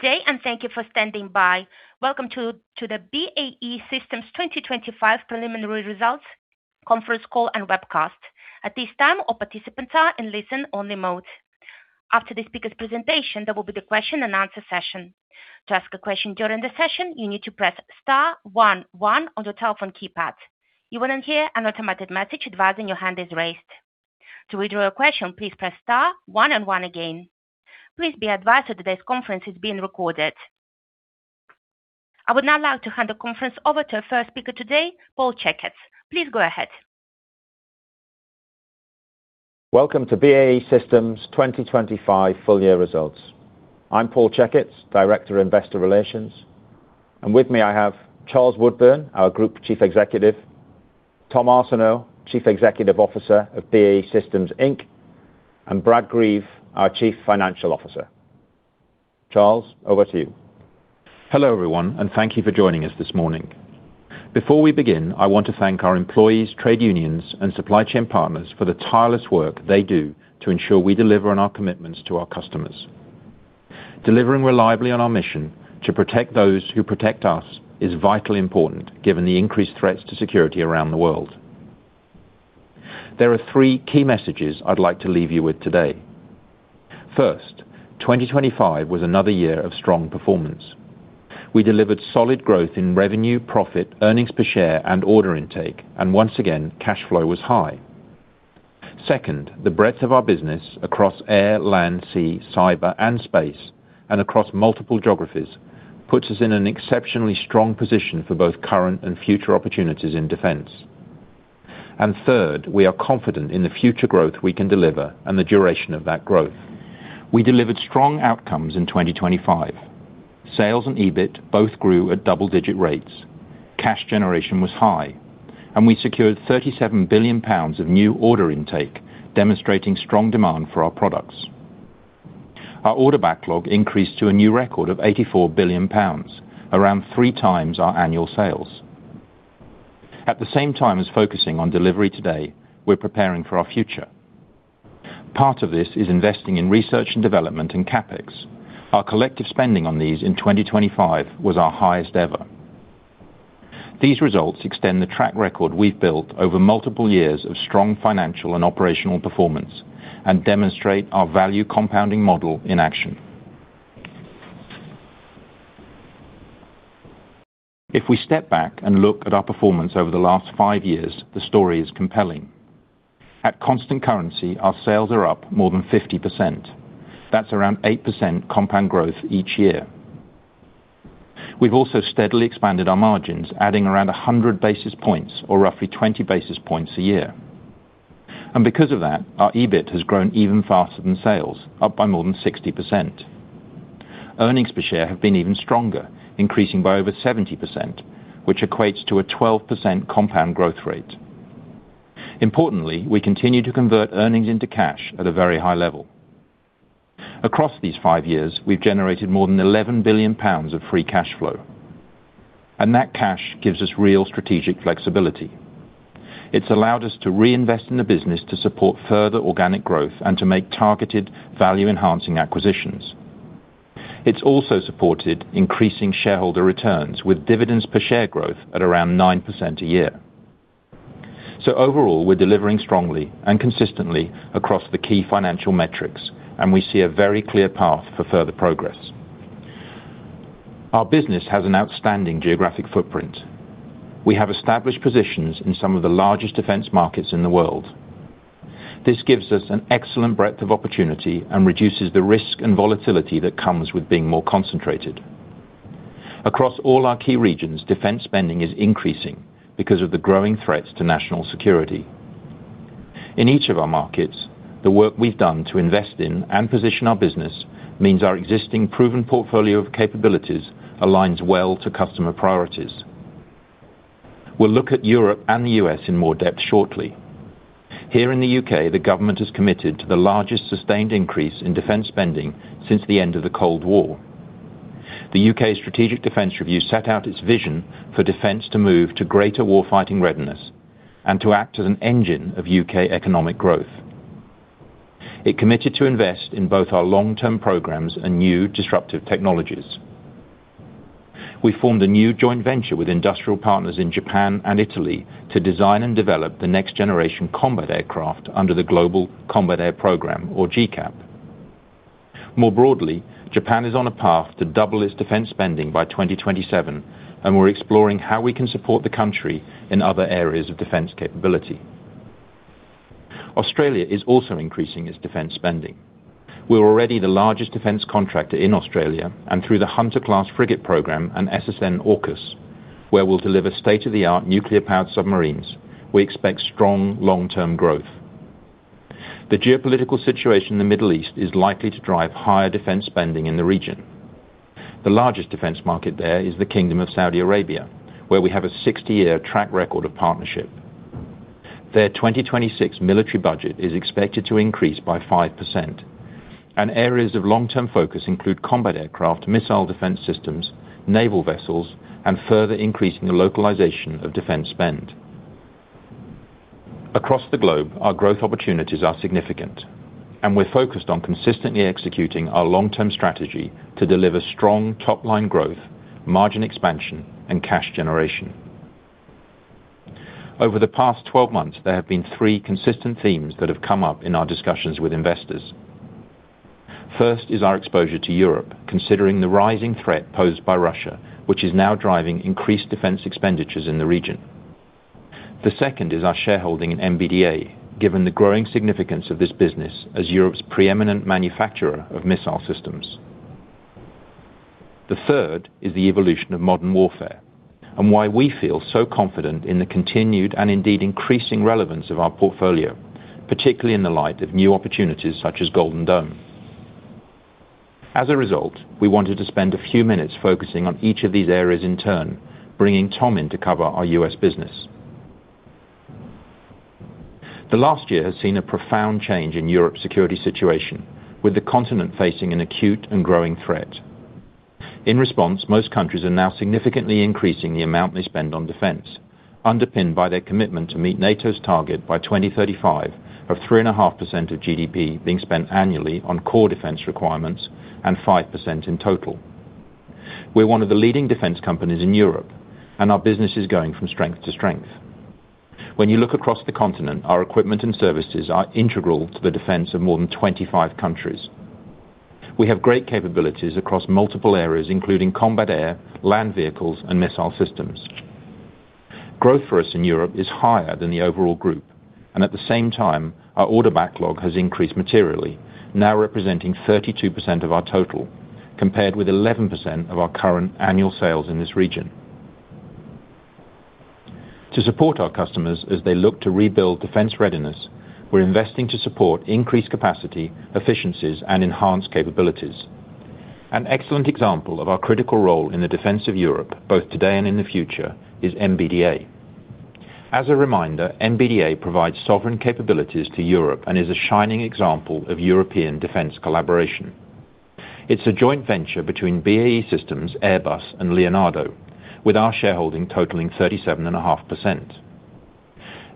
Good day, and thank you for standing by. Welcome to the BAE Systems 2025 Preliminary Results Conference Call and Webcast. At this time, all participants are in listen-only mode. After the speaker's presentation, there will be the question and answer session. To ask a question during the session, you need to press star one one on your telephone keypad. You will then hear an automatic message advising your hand is raised. To withdraw your question, please press star one and one again. Please be advised that today's conference is being recorded. I would now like to hand the conference over to our first speaker today, Paul Checketts. Please go ahead. Welcome to BAE Systems' 2025 Full Year Results. I'm Paul Checketts, Director of Investor Relations, and with me I have Charles Woodburn, our Group Chief Executive, Tom Arseneault, Chief Executive Officer of BAE Systems Inc, and Brad Greve, our Chief Financial Officer. Charles, over to you. Hello, everyone, and thank you for joining us this morning. Before we begin, I want to thank our employees, trade unions, and supply chain partners for the tireless work they do to ensure we deliver on our commitments to our customers. Delivering reliably on our mission to protect those who protect us is vitally important, given the increased threats to security around the world. There are three key messages I'd like to leave you with today. First, 2025 was another year of strong performance. We delivered solid growth in revenue, profit, earnings per share, and order intake, and once again, cash flow was high. Second, the breadth of our business across air, land, sea, cyber, and space, and across multiple geographies, puts us in an exceptionally strong position for both current and future opportunities in defense. Third, we are confident in the future growth we can deliver and the duration of that growth. We delivered strong outcomes in 2025. Sales and EBIT both grew at double-digit rates. Cash generation was high, and we secured 37 billion pounds of new order intake, demonstrating strong demand for our products. Our order backlog increased to a new record of 84 billion pounds, around three times our annual sales. At the same time as focusing on delivery today, we're preparing for our future. Part of this is investing in research and development and CapEx. Our collective spending on these in 2025 was our highest ever. These results extend the track record we've built over multiple years of strong financial and operational performance and demonstrate our value compounding model in action. If we step back and look at our performance over the last five years, the story is compelling. At constant currency, our sales are up more than 50%. That's around 8% compound growth each year. We've also steadily expanded our margins, adding around 100 basis points or roughly 20 basis points a year. And because of that, our EBIT has grown even faster than sales, up by more than 60%. Earnings per share have been even stronger, increasing by over 70%, which equates to a 12% compound growth rate. Importantly, we continue to convert earnings into cash at a very high level. Across these five years, we've generated more than 11 billion pounds of free cash flow, and that cash gives us real strategic flexibility. It's allowed us to reinvest in the business to support further organic growth and to make targeted, value-enhancing acquisitions. It's also supported increasing shareholder returns with dividends per share growth at around 9% a year. So overall, we're delivering strongly and consistently across the key financial metrics, and we see a very clear path for further progress. Our business has an outstanding geographic footprint. We have established positions in some of the largest defense markets in the world. This gives us an excellent breadth of opportunity and reduces the risk and volatility that comes with being more concentrated. Across all our key regions, defense spending is increasing because of the growing threats to national security. In each of our markets, the work we've done to invest in and position our business means our existing proven portfolio of capabilities aligns well to customer priorities. We'll look at Europe and the U.S. in more depth shortly. Here in the U.K., the government is committed to the largest sustained increase in defense spending since the end of the Cold War. The U.K. Strategic Defence Review set out its vision for defense to move to greater warfighting readiness and to act as an engine of U.K. economic growth. It committed to invest in both our long-term programs and new disruptive technologies. We formed a new joint venture with industrial partners in Japan and Italy to design and develop the next generation combat aircraft under the Global Combat Air Programme, or GCAP. More broadly, Japan is on a path to double its defense spending by 2027, and we're exploring how we can support the country in other areas of defense capability. Australia is also increasing its defense spending. We're already the largest defense contractor in Australia, and through the Hunter Class Frigate program and SSN-AUKUS, where we'll deliver state-of-the-art nuclear-powered submarines, we expect strong, long-term growth. The geopolitical situation in the Middle East is likely to drive higher defense spending in the region. The largest defense market there is the Kingdom of Saudi Arabia, where we have a 60-year track record of partnership. Their 2026 military budget is expected to increase by 5%, and areas of long-term focus include combat aircraft, missile defense systems, naval vessels, and further increasing the localization of defense spend. Across the globe, our growth opportunities are significant, and we're focused on consistently executing our long-term strategy to deliver strong top-line growth, margin expansion, and cash generation. Over the past 12 months, there have been three consistent themes that have come up in our discussions with investors. First is our exposure to Europe, considering the rising threat posed by Russia, which is now driving increased defense expenditures in the region. The second is our shareholding in MBDA, given the growing significance of this business as Europe's preeminent manufacturer of missile systems. The third is the evolution of modern warfare, and why we feel so confident in the continued, and indeed, increasing relevance of our portfolio, particularly in the light of new opportunities, such as Golden Dome. As a result, we wanted to spend a few minutes focusing on each of these areas in turn, bringing Tom in to cover our U.S. business. The last year has seen a profound change in Europe's security situation, with the continent facing an acute and growing threat. In response, most countries are now significantly increasing the amount they spend on defense, underpinned by their commitment to meet NATO's target by 2035 of 3.5% of GDP being spent annually on core defense requirements and 5% in total. We're one of the leading defense companies in Europe, and our business is going from strength to strength. When you look across the continent, our equipment and services are integral to the defense of more than 25 countries. We have great capabilities across multiple areas, including combat, air, land vehicles, and missile systems. Growth for us in Europe is higher than the overall group, and at the same time, our order backlog has increased materially, now representing 32% of our total, compared with 11% of our current annual sales in this region. To support our customers as they look to rebuild defense readiness, we're investing to support increased capacity, efficiencies, and enhanced capabilities. An excellent example of our critical role in the defense of Europe, both today and in the future, is MBDA. As a reminder, MBDA provides sovereign capabilities to Europe and is a shining example of European defense collaboration. It's a joint venture between BAE Systems, Airbus, and Leonardo, with our shareholding totaling 37.5%.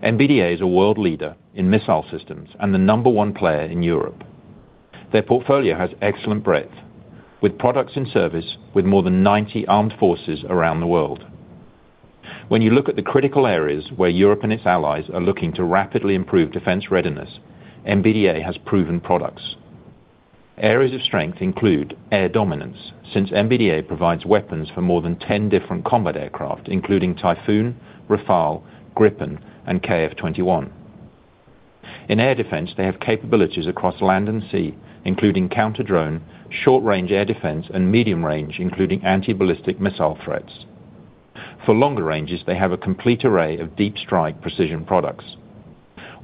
MBDA is a world leader in missile systems and the number one player in Europe. Their portfolio has excellent breadth, with products and service, with more than 90 armed forces around the world. When you look at the critical areas where Europe and its allies are looking to rapidly improve defense readiness, MBDA has proven products. Areas of strength include air dominance, since MBDA provides weapons for more than 10 different combat aircraft, including Typhoon, Rafale, Gripen, and KF-21. In air defense, they have capabilities across land and sea, including counter-drone, short-range air defense, and medium-range, including anti-ballistic missile threats. For longer ranges, they have a complete array of deep strike precision products,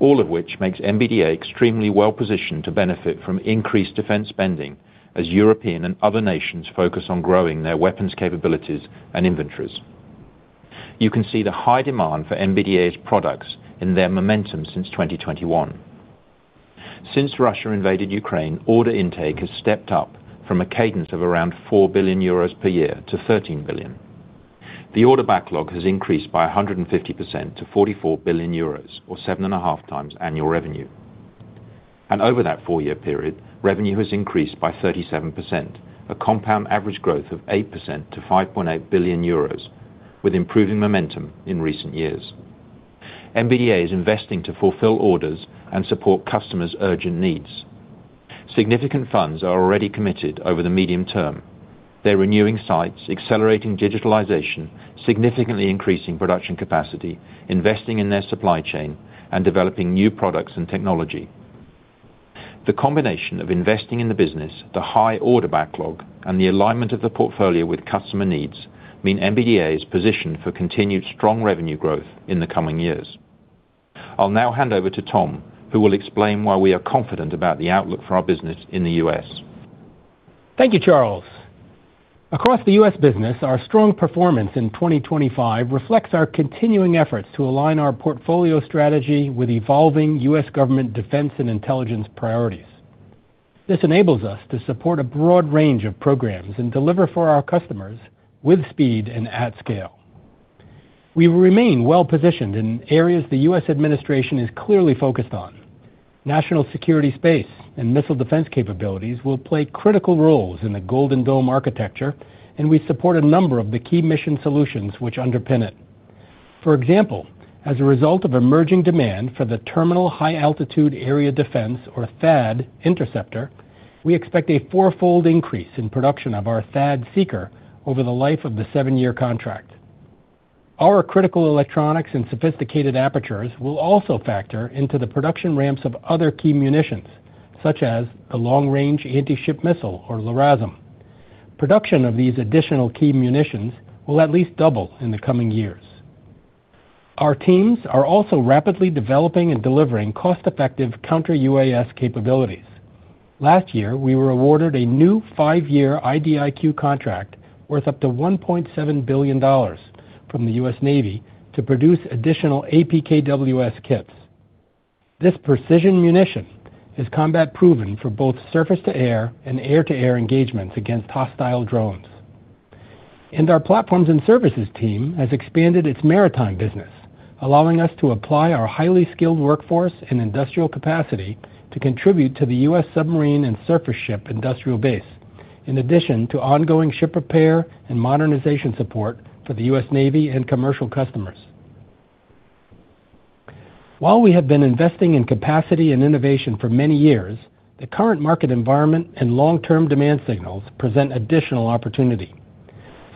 all of which makes MBDA extremely well-positioned to benefit from increased defense spending as European and other nations focus on growing their weapons capabilities and inventories. You can see the high demand for MBDA's products in their momentum since 2021. Since Russia invaded Ukraine, order intake has stepped up from a cadence of around 4 billion euros per year to 13 billion. The order backlog has increased by 150% to 44 billion euros, or 7.5 times annual revenue. Over that four-year period, revenue has increased by 37%, a compound average growth of 8% to 5.8 billion euros, with improving momentum in recent years. MBDA is investing to fulfill orders and support customers' urgent needs. Significant funds are already committed over the medium term. They're renewing sites, accelerating digitalization, significantly increasing production capacity, investing in their supply chain, and developing new products and technology. The combination of investing in the business, the high order backlog, and the alignment of the portfolio with customer needs, mean MBDA is positioned for continued strong revenue growth in the coming years. I'll now hand over to Tom, who will explain why we are confident about the outlook for our business in the U.S. Thank you, Charles. Across the U.S. business, our strong performance in 2025 reflects our continuing efforts to align our portfolio strategy with evolving U.S. government defense and intelligence priorities. This enables us to support a broad range of programs and deliver for our customers with speed and at scale. We remain well-positioned in areas the U.S. administration is clearly focused on. National security, space, and missile defense capabilities will play critical roles in the Golden Dome architecture, and we support a number of the key mission solutions which underpin it. For example, as a result of emerging demand for the Terminal High Altitude Area Defense, or THAAD, interceptor, we expect a fourfold increase in production of our THAAD seeker over the life of the seven-year contract. Our critical electronics and sophisticated apertures will also factor into the production ramps of other key munitions, such as the Long Range Anti-Ship Missile or LRASM. Production of these additional key munitions will at least double in the coming years. Our teams are also rapidly developing and delivering cost-effective counter-UAS capabilities. Last year, we were awarded a new five-year IDIQ contract worth up to $1.7 billion from the U.S. Navy to produce additional APKWS kits. This precision munition is combat-proven for both surface-to-air and air-to-air engagements against hostile drones. Our platforms and services team has expanded its maritime business, allowing us to apply our highly skilled workforce and industrial capacity to contribute to the U.S. submarine and surface ship industrial base, in addition to ongoing ship repair and modernization support for the U.S. Navy and commercial customers. While we have been investing in capacity and innovation for many years, the current market environment and long-term demand signals present additional opportunity.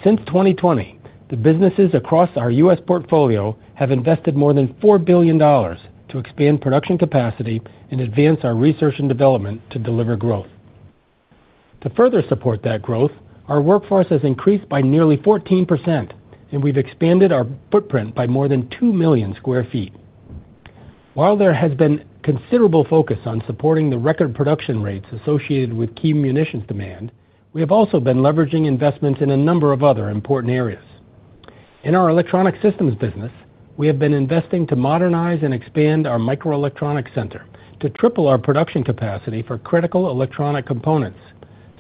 Since 2020, the businesses across our U.S. portfolio have invested more than $4 billion to expand production capacity and advance our research and development to deliver growth. To further support that growth, our workforce has increased by nearly 14%, and we've expanded our footprint by more than 2 million sq ft. While there has been considerable focus on supporting the record production rates associated with key munitions demand, we have also been leveraging investments in a number of other important areas. In our Electronic Systems business, we have been investing to modernize and expand our microelectronics center to triple our production capacity for critical electronic components,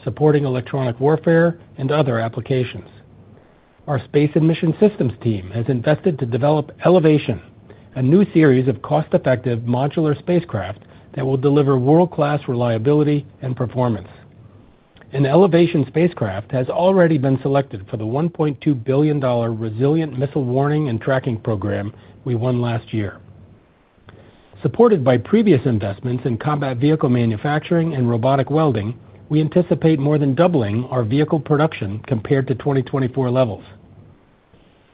supporting electronic warfare and other applications. Our space and mission systems team has invested to develop Elevation, a new series of cost-effective modular spacecraft that will deliver world-class reliability and performance. An Elevation spacecraft has already been selected for the $1.2 billion Resilient Missile Warning and Tracking program we won last year. Supported by previous investments in combat vehicle manufacturing and robotic welding, we anticipate more than doubling our vehicle production compared to 2024 levels.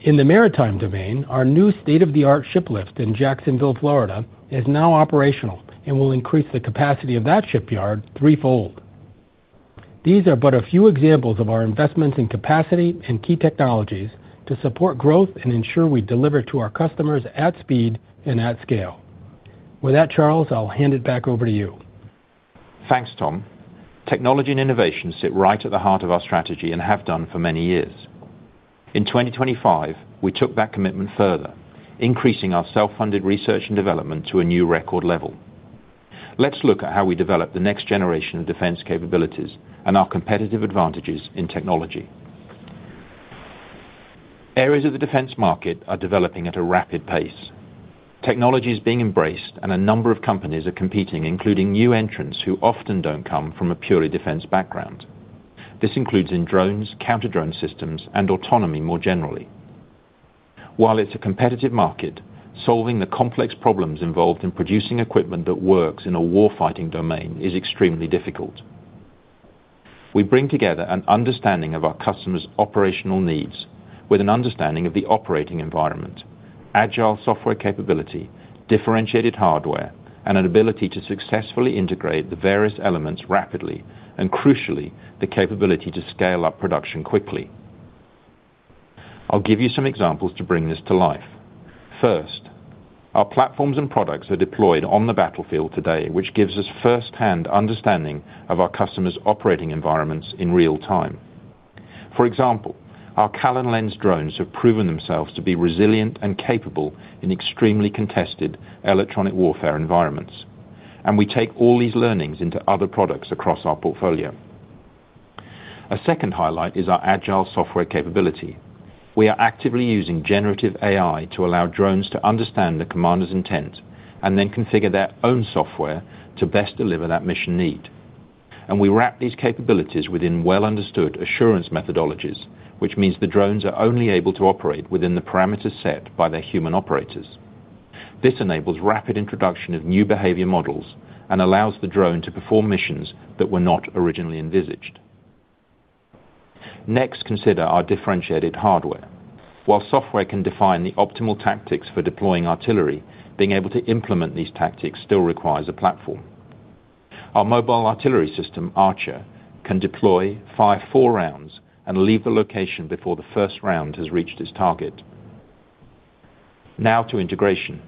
In the maritime domain, our new state-of-the-art ship lift in Jacksonville, Florida, is now operational and will increase the capacity of that shipyard threefold. These are but a few examples of our investments in capacity and key technologies to support growth and ensure we deliver to our customers at speed and at scale. With that, Charles, I'll hand it back over to you. Thanks, Tom. Technology and innovation sit right at the heart of our strategy and have done for many years. In 2025, we took that commitment further, increasing our self-funded research and development to a new record level. Let's look at how we develop the next generation of defense capabilities and our competitive advantages in technology. Areas of the defense market are developing at a rapid pace. Technology is being embraced, and a number of companies are competing, including new entrants who often don't come from a purely defense background. This includes in drones, counter-drone systems, and autonomy more generally. While it's a competitive market, solving the complex problems involved in producing equipment that works in a warfighting domain is extremely difficult. We bring together an understanding of our customers' operational needs with an understanding of the operating environment, agile software capability, differentiated hardware, and an ability to successfully integrate the various elements rapidly and, crucially, the capability to scale up production quickly. I'll give you some examples to bring this to life. First, our platforms and products are deployed on the battlefield today, which gives us firsthand understanding of our customers' operating environments in real time. For example, our Callen-Lenz drones have proven themselves to be resilient and capable in extremely contested electronic warfare environments, and we take all these learnings into other products across our portfolio. A second highlight is our agile software capability. We are actively using generative AI to allow drones to understand the commander's intent and then configure their own software to best deliver that mission need. We wrap these capabilities within well-understood assurance methodologies, which means the drones are only able to operate within the parameters set by their human operators. This enables rapid introduction of new behavior models and allows the drone to perform missions that were not originally envisioned. Next, consider our differentiated hardware. While software can define the optimal tactics for deploying artillery, being able to implement these tactics still requires a platform. Our mobile artillery system, Archer, can deploy, fire four rounds, and leave the location before the first round has reached its target. Now to integration.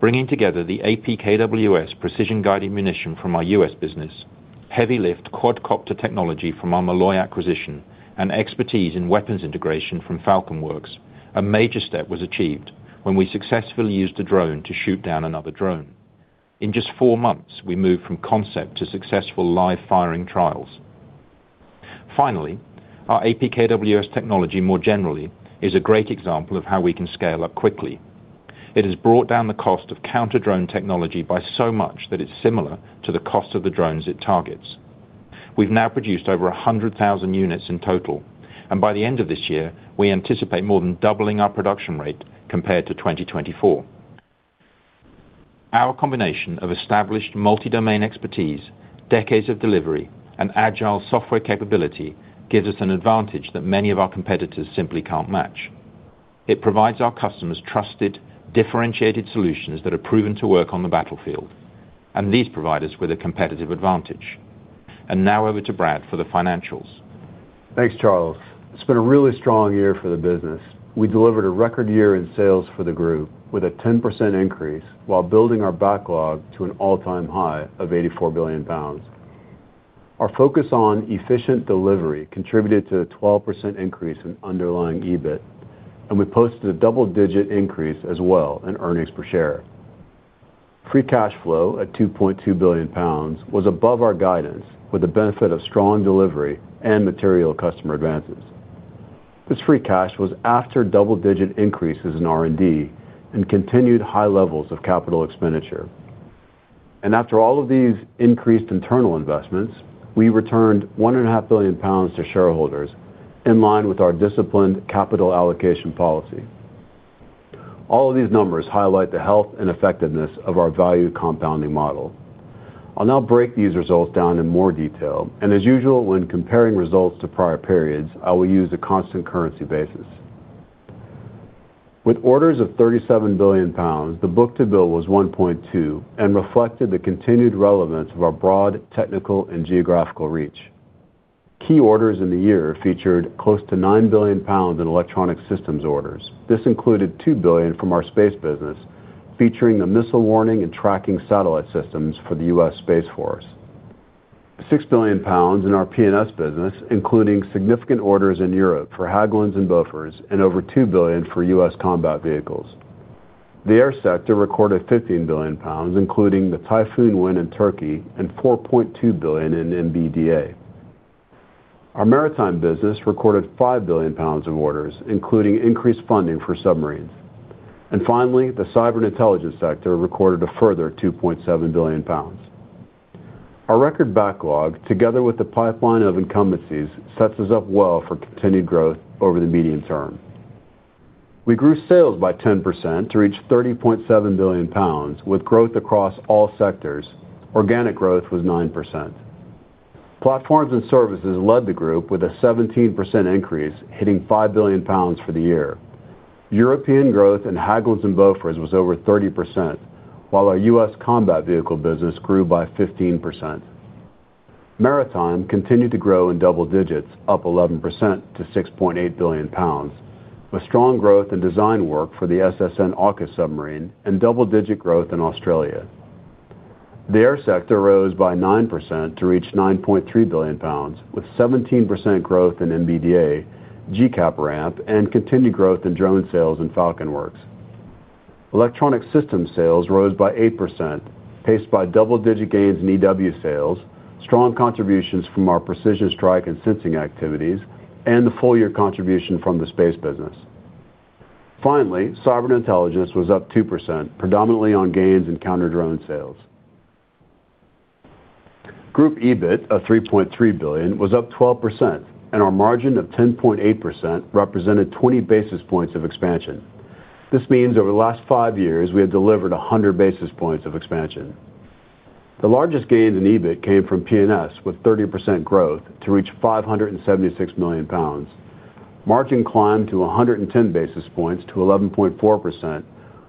Bringing together the APKWS precision-guided munition from our U.S. business, heavy-lift quadcopter technology from our Malloy acquisition, and expertise in weapons integration from FalconWorks, a major step was achieved when we successfully used a drone to shoot down another drone. In just four months, we moved from concept to successful live firing trials. Finally, our APKWS technology, more generally, is a great example of how we can scale up quickly. It has brought down the cost of counter-drone technology by so much that it's similar to the cost of the drones it targets. We've now produced over 100,000 units in total, and by the end of this year, we anticipate more than doubling our production rate compared to 2024. Our combination of established multi-domain expertise, decades of delivery, and agile software capability gives us an advantage that many of our competitors simply can't match. It provides our customers trusted, differentiated solutions that are proven to work on the battlefield, and these provide us with a competitive advantage. Now over to Brad for the financials. Thanks, Charles. It's been a really strong year for the business. We delivered a record year in sales for the group, with a 10% increase, while building our backlog to an all-time high of 84 billion pounds. Our focus on efficient delivery contributed to a 12% increase in underlying EBIT, and we posted a double-digit increase as well in earnings per share. Free cash flow at 2.2 billion pounds was above our guidance, with the benefit of strong delivery and material customer advances. This free cash was after double-digit increases in R&D and continued high levels of capital expenditure. And after all of these increased internal investments, we returned 1.5 billion pounds to shareholders, in line with our disciplined capital allocation policy. All of these numbers highlight the health and effectiveness of our value compounding model. I'll now break these results down in more detail, and as usual, when comparing results to prior periods, I will use a constant currency basis. With orders of 37 billion pounds, the book-to-bill was 1.2 and reflected the continued relevance of our broad technical and geographical reach. Key orders in the year featured close to 9 billion pounds in Electronic Systems orders. This included 2 billion from our space business, featuring the missile warning and tracking satellite systems for the U.S. Space Force. 6 billion pounds in our P&S business, including significant orders in Europe for Hägglunds and Bofors, and over 2 billion for U.S. combat vehicles. The air sector recorded 15 billion pounds, including the Typhoon win in Turkey and 4.2 billion in MBDA. Our maritime business recorded 5 billion pounds of orders, including increased funding for submarines. Finally, the cyber and intelligence sector recorded a further 2.7 billion pounds. Our record backlog, together with the pipeline of incumbencies, sets us up well for continued growth over the medium term. We grew sales by 10% to reach 30.7 billion pounds, with growth across all sectors. Organic growth was 9%. Platforms and services led the group with a 17% increase, hitting 5 billion pounds for the year. European growth in Hägglunds and Bofors was over 30%, while our U.S. combat vehicle business grew by 15%. Maritime continued to grow in double digits, up 11% to 6.8 billion pounds, with strong growth in design work for the SSN-AUKUS submarine and double-digit growth in Australia. The air sector rose by 9% to reach 9.3 billion pounds, with 17% growth in MBDA, GCAP ramp, and continued growth in drone sales and FalconWorks. Electronic system sales rose by 8%, paced by double-digit gains in EW sales, strong contributions from our precision strike and sensing activities, and the full year contribution from the space business. Finally, Cyber & Intelligence was up 2%, predominantly on gains in counter-drone sales. Group EBIT of 3.3 billion was up 12%, and our margin of 10.8% represented 20 basis points of expansion. This means over the last five years, we have delivered 100 basis points of expansion. The largest gains in EBIT came from P&S, with 30% growth to reach 576 million pounds. Margin climbed to 110 basis points to 11.4%,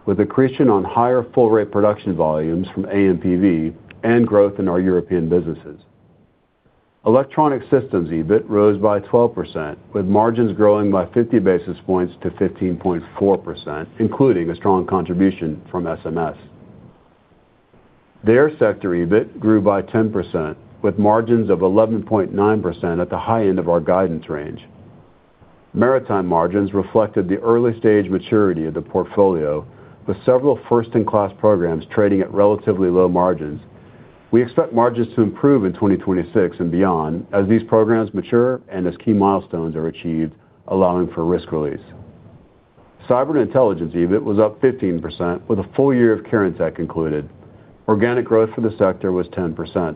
with accretion on higher full rate production volumes from AMPV and growth in our European businesses. Electronic Systems EBIT rose by 12%, with margins growing by 50 basis points to 15.4%, including a strong contribution from SMS. The air sector EBIT grew by 10%, with margins of 11.9% at the high end of our guidance range. Maritime margins reflected the early stage maturity of the portfolio, with several first-in-class programs trading at relatively low margins. We expect margins to improve in 2026 and beyond as these programs mature and as key milestones are achieved, allowing for risk release. Cyber and intelligence EBIT was up 15%, with a full year of Kirintec included. Organic growth for the sector was 10%.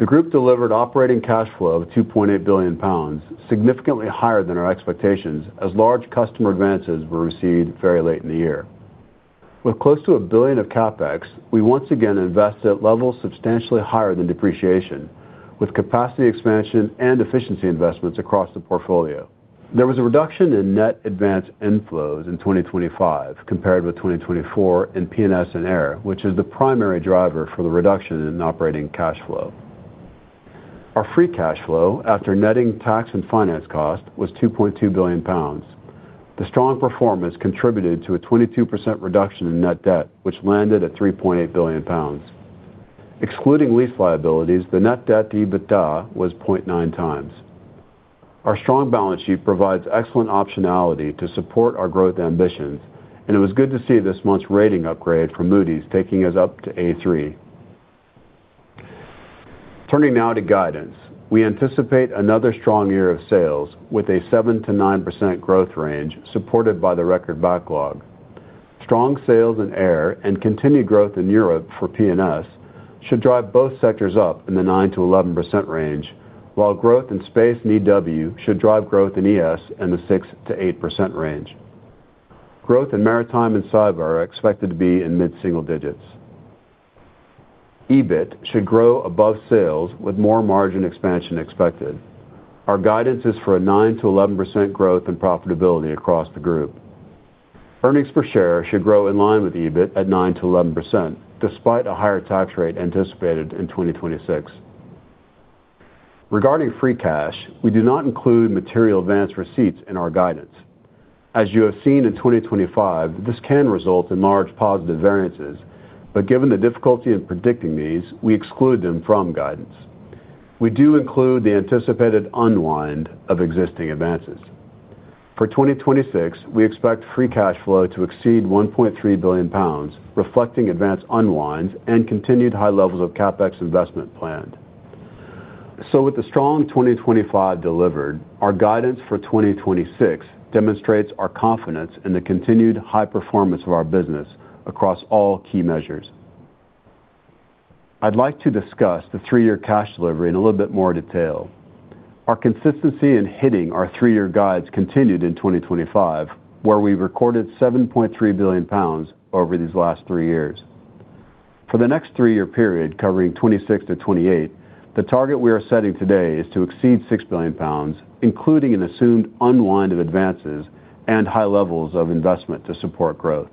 The group delivered operating cash flow of 2.8 billion pounds, significantly higher than our expectations, as large customer advances were received very late in the year. With close to 1 billion of CapEx, we once again invested at levels substantially higher than depreciation, with capacity expansion and efficiency investments across the portfolio. There was a reduction in net advance inflows in 2025 compared with 2024 in P&S and Air, which is the primary driver for the reduction in operating cash flow. Our free cash flow, after netting tax and finance cost, was 2.2 billion pounds. The strong performance contributed to a 22% reduction in net debt, which landed at 3.8 billion pounds. Excluding lease liabilities, the net debt to EBITDA was 0.9 times. Our strong balance sheet provides excellent optionality to support our growth ambitions, and it was good to see this month's rating upgrade from Moody's, taking us up to A3. Turning now to guidance. We anticipate another strong year of sales with a 7%-9% growth range, supported by the record backlog. Strong sales in Air and continued growth in Europe for P&S should drive both sectors up in the 9%-11% range, while growth in Space and EW should drive growth in ES in the 6%-8% range. Growth in Maritime and Cyber are expected to be in mid-single digits. EBIT should grow above sales, with more margin expansion expected. Our guidance is for a 9%-11% growth in profitability across the group. Earnings per share should grow in line with EBIT at 9%-11%, despite a higher tax rate anticipated in 2026. Regarding free cash, we do not include material advance receipts in our guidance. As you have seen in 2025, this can result in large positive variances, but given the difficulty in predicting these, we exclude them from guidance. We do include the anticipated unwind of existing advances. For 2026, we expect free cash flow to exceed 1.3 billion pounds, reflecting advanced unwinds and continued high levels of CapEx investment planned. So with the strong 2025 delivered, our guidance for 2026 demonstrates our confidence in the continued high performance of our business across all key measures. I'd like to discuss the three-year cash delivery in a little bit more detail. Our consistency in hitting our three-year guides continued in 2025, where we recorded 7.3 billion pounds over these last three years. For the next three-year period, covering 2026-2028, the target we are setting today is to exceed 6 billion pounds, including an assumed unwind of advances and high levels of investment to support growth.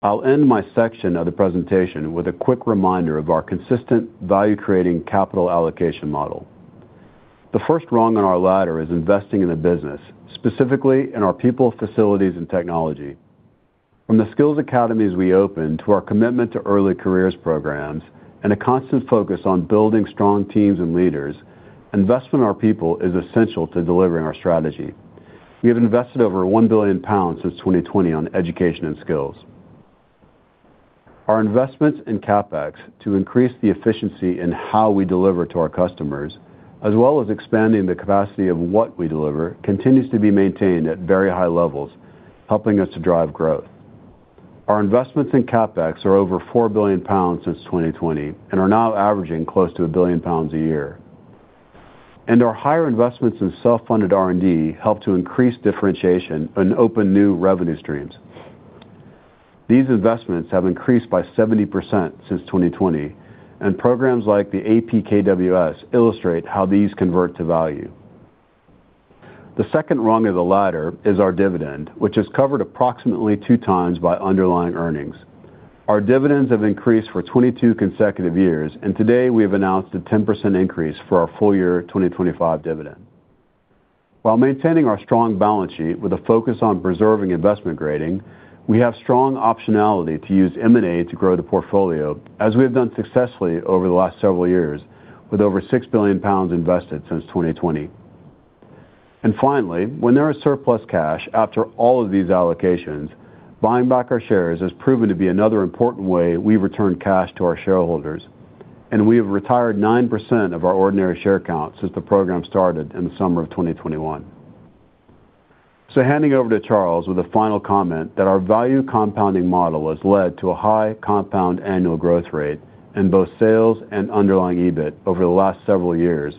I'll end my section of the presentation with a quick reminder of our consistent value-creating capital allocation model. The first rung on our ladder is investing in the business, specifically in our people, facilities, and technology. From the skills academies we open, to our commitment to early careers programs, and a constant focus on building strong teams and leaders, investment in our people is essential to delivering our strategy. We have invested over 1 billion pounds since 2020 on education and skills. Our investments in CapEx to increase the efficiency in how we deliver to our customers, as well as expanding the capacity of what we deliver, continues to be maintained at very high levels, helping us to drive growth. Our investments in CapEx are over 4 billion pounds since 2020, and are now averaging close to 1 billion pounds a year. Our higher investments in self-funded R&D help to increase differentiation and open new revenue streams. These investments have increased by 70% since 2020, and programs like the APKWS illustrate how these convert to value. The second rung of the ladder is our dividend, which is covered approximately two times by underlying earnings. Our dividends have increased for 22 consecutive years, and today we have announced a 10% increase for our full year 2025 dividend. While maintaining our strong balance sheet with a focus on preserving investment grading, we have strong optionality to use M&A to grow the portfolio, as we have done successfully over the last several years, with over 6 billion pounds invested since 2020. Finally, when there is surplus cash after all of these allocations, buying back our shares has proven to be another important way we return cash to our shareholders, and we have retired 9% of our ordinary share count since the program started in the summer of 2021. Handing over to Charles with a final comment, that our value compounding model has led to a high compound annual growth rate in both sales and underlying EBIT over the last several years,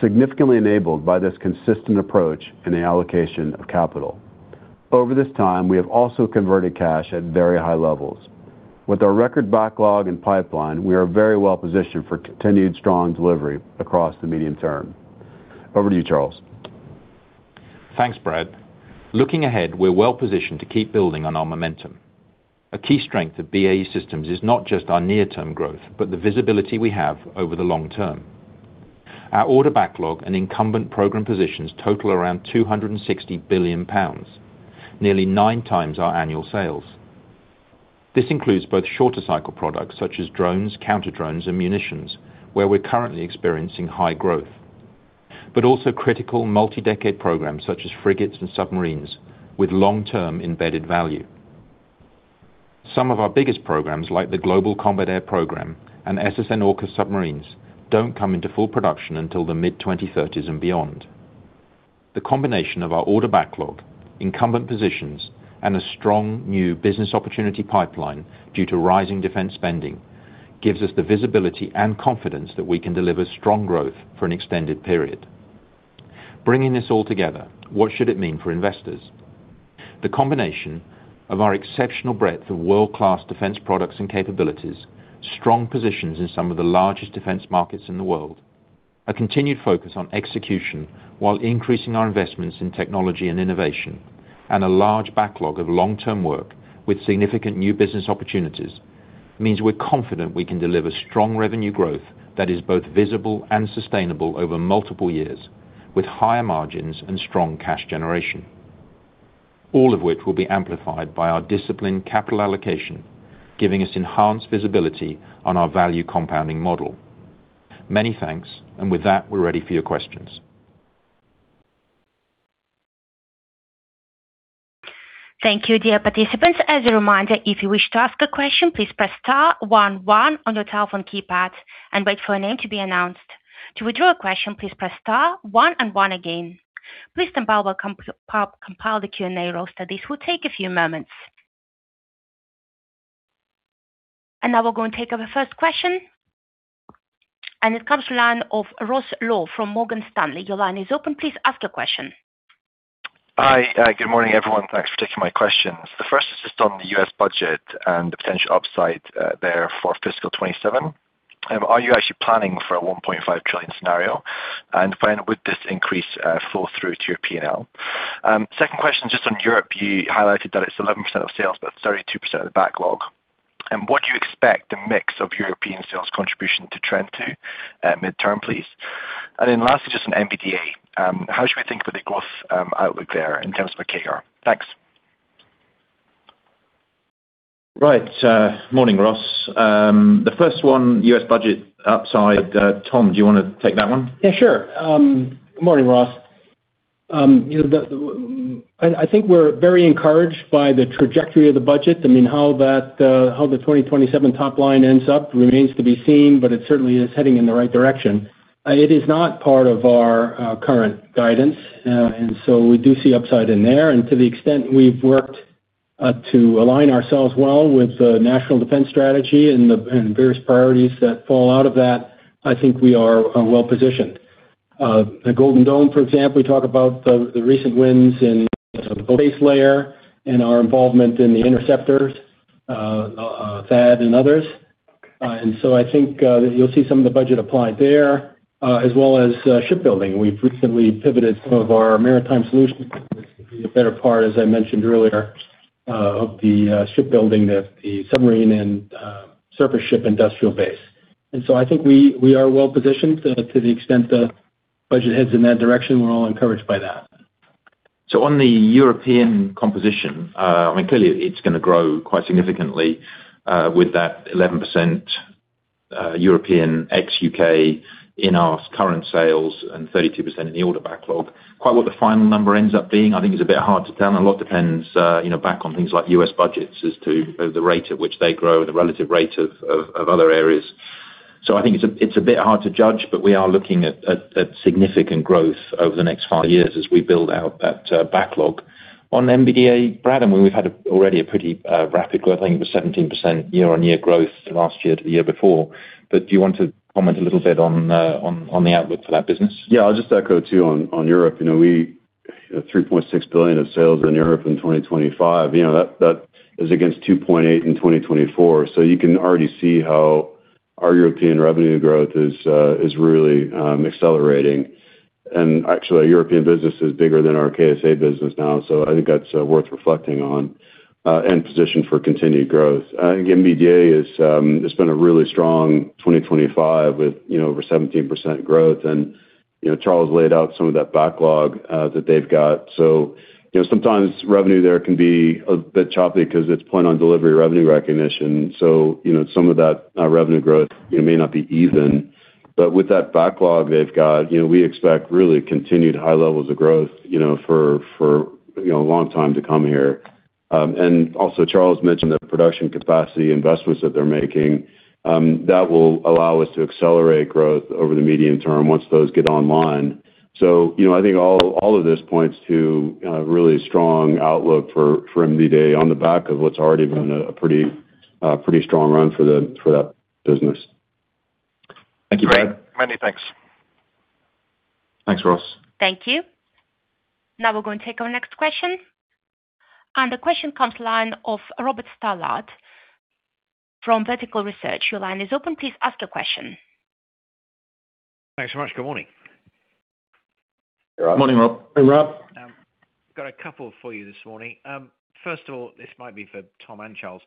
significantly enabled by this consistent approach in the allocation of capital. Over this time, we have also converted cash at very high levels. With our record backlog and pipeline, we are very well positioned for continued strong delivery across the medium term. Over to you, Charles. Thanks, Brad. Looking ahead, we're well positioned to keep building on our momentum. A key strength of BAE Systems is not just our near-term growth, but the visibility we have over the long term. Our order backlog and incumbent program positions total around 260 billion pounds, nearly nine times our annual sales. This includes both shorter cycle products, such as drones, counter drones, and munitions, where we're currently experiencing high growth, but also critical multi-decade programs such as frigates and submarines, with long-term embedded value. Some of our biggest programs, like the Global Combat Air Programme and SSN-AUKUS submarines, don't come into full production until the mid-2030s and beyond. The combination of our order backlog, incumbent positions, and a strong new business opportunity pipeline due to rising defense spending, gives us the visibility and confidence that we can deliver strong growth for an extended period. Bringing this all together, what should it mean for investors? The combination of our exceptional breadth of world-class defense products and capabilities, strong positions in some of the largest defense markets in the world, a continued focus on execution while increasing our investments in technology and innovation, and a large backlog of long-term work with significant new business opportunities, means we're confident we can deliver strong revenue growth that is both visible and sustainable over multiple years, with higher margins and strong cash generation. All of which will be amplified by our disciplined capital allocation, giving us enhanced visibility on our value compounding model. Many thanks. And with that, we're ready for your questions. Thank you, dear participants. As a reminder, if you wish to ask a question, please press star one one on your telephone keypad and wait for your name to be announced. To withdraw a question, please press star one and one again. Please stand by while we compile the Q&A roster. This will take a few moments. Now we're going to take our first question, and it comes to the line of Ross Law from Morgan Stanley. Your line is open. Please ask a question. Hi, good morning, everyone. Thanks for taking my questions. The first is just on the U.S. budget and the potential upside there for fiscal 2027. Are you actually planning for a $1.5 trillion scenario? And finally, would this increase flow through to your P&L? Second question, just on Europe, you highlighted that it's 11% of sales, but 32% of the backlog. And what do you expect the mix of European sales contribution to trend to at midterm, please? And then lastly, just on MBDA, how should we think about the growth outlook there in terms of a KR? Thanks. Right. Morning, Ross. The first one, U.S. budget upside. Tom, do you wanna take that one? Yeah, sure. Good morning, Ross. You know, I think we're very encouraged by the trajectory of the budget. I mean, how the 2027 top line ends up remains to be seen, but it certainly is heading in the right direction. It is not part of our current guidance, and so we do see upside in there. And to the extent we've worked to align ourselves well with the National Defense Strategy and various priorities that fall out of that, I think we are well positioned. The Golden Dome, for example, we talk about the recent wins in the base layer and our involvement in the interceptors, THAAD and others. And so I think that you'll see some of the budget applied there, as well as shipbuilding. We've recently pivoted some of our maritime solutions to the better part, as I mentioned earlier, of the shipbuilding, the submarine and surface ship industrial base. And so I think we are well positioned to the extent the budget heads in that direction, we're all encouraged by that. So on the European composition, I mean, clearly, it's gonna grow quite significantly, with that 11%, European ex-U.K. in our current sales and 32% in the order backlog. Quite what the final number ends up being, I think is a bit hard to tell, and a lot depends, you know, back on things like U.S. budgets as to the rate at which they grow, the relative rate of other areas. So I think it's a bit hard to judge, but we are looking at significant growth over the next five years as we build out that backlog. On MBDA, Brad, I mean, we've had already a pretty rapid growth. I think it was 17% year-on-year growth last year to the year before. But do you want to comment a little bit on the outlook for that business? Yeah, I'll just echo, too, on, on Europe. You know, 3.6 billion of sales in Europe in 2025, you know, that, that is against 2.8 billion in 2024. So you can already see how our European revenue growth is really accelerating. And actually, our European business is bigger than our KSA business now, so I think that's worth reflecting on, and positioned for continued growth. I think MBDA is, it's been a really strong 2025 with, you know, over 17% growth. And, you know, Charles laid out some of that backlog that they've got. So, you know, sometimes revenue there can be a bit choppy because it's point on delivery revenue recognition. So, you know, some of that revenue growth, it may not be even. But with that backlog they've got, you know, we expect really continued high levels of growth, you know, for you know, a long time to come here. And also, Charles mentioned the production capacity investments that they're making, that will allow us to accelerate growth over the medium term once those get online. So, you know, I think all of this points to a really strong outlook for MBDA on the back of what's already been a pretty strong run for that business. Thank you, Brad. Many thanks. Thanks, Ross. Thank you. Now we're going to take our next question, and the question comes from the line of Robert Stallard from Vertical Research. Your line is open. Please ask the question. Thanks so much. Good morning. Good morning, Rob. Hey, Rob. Got a couple for you this morning. First of all, this might be for Tom and Charles.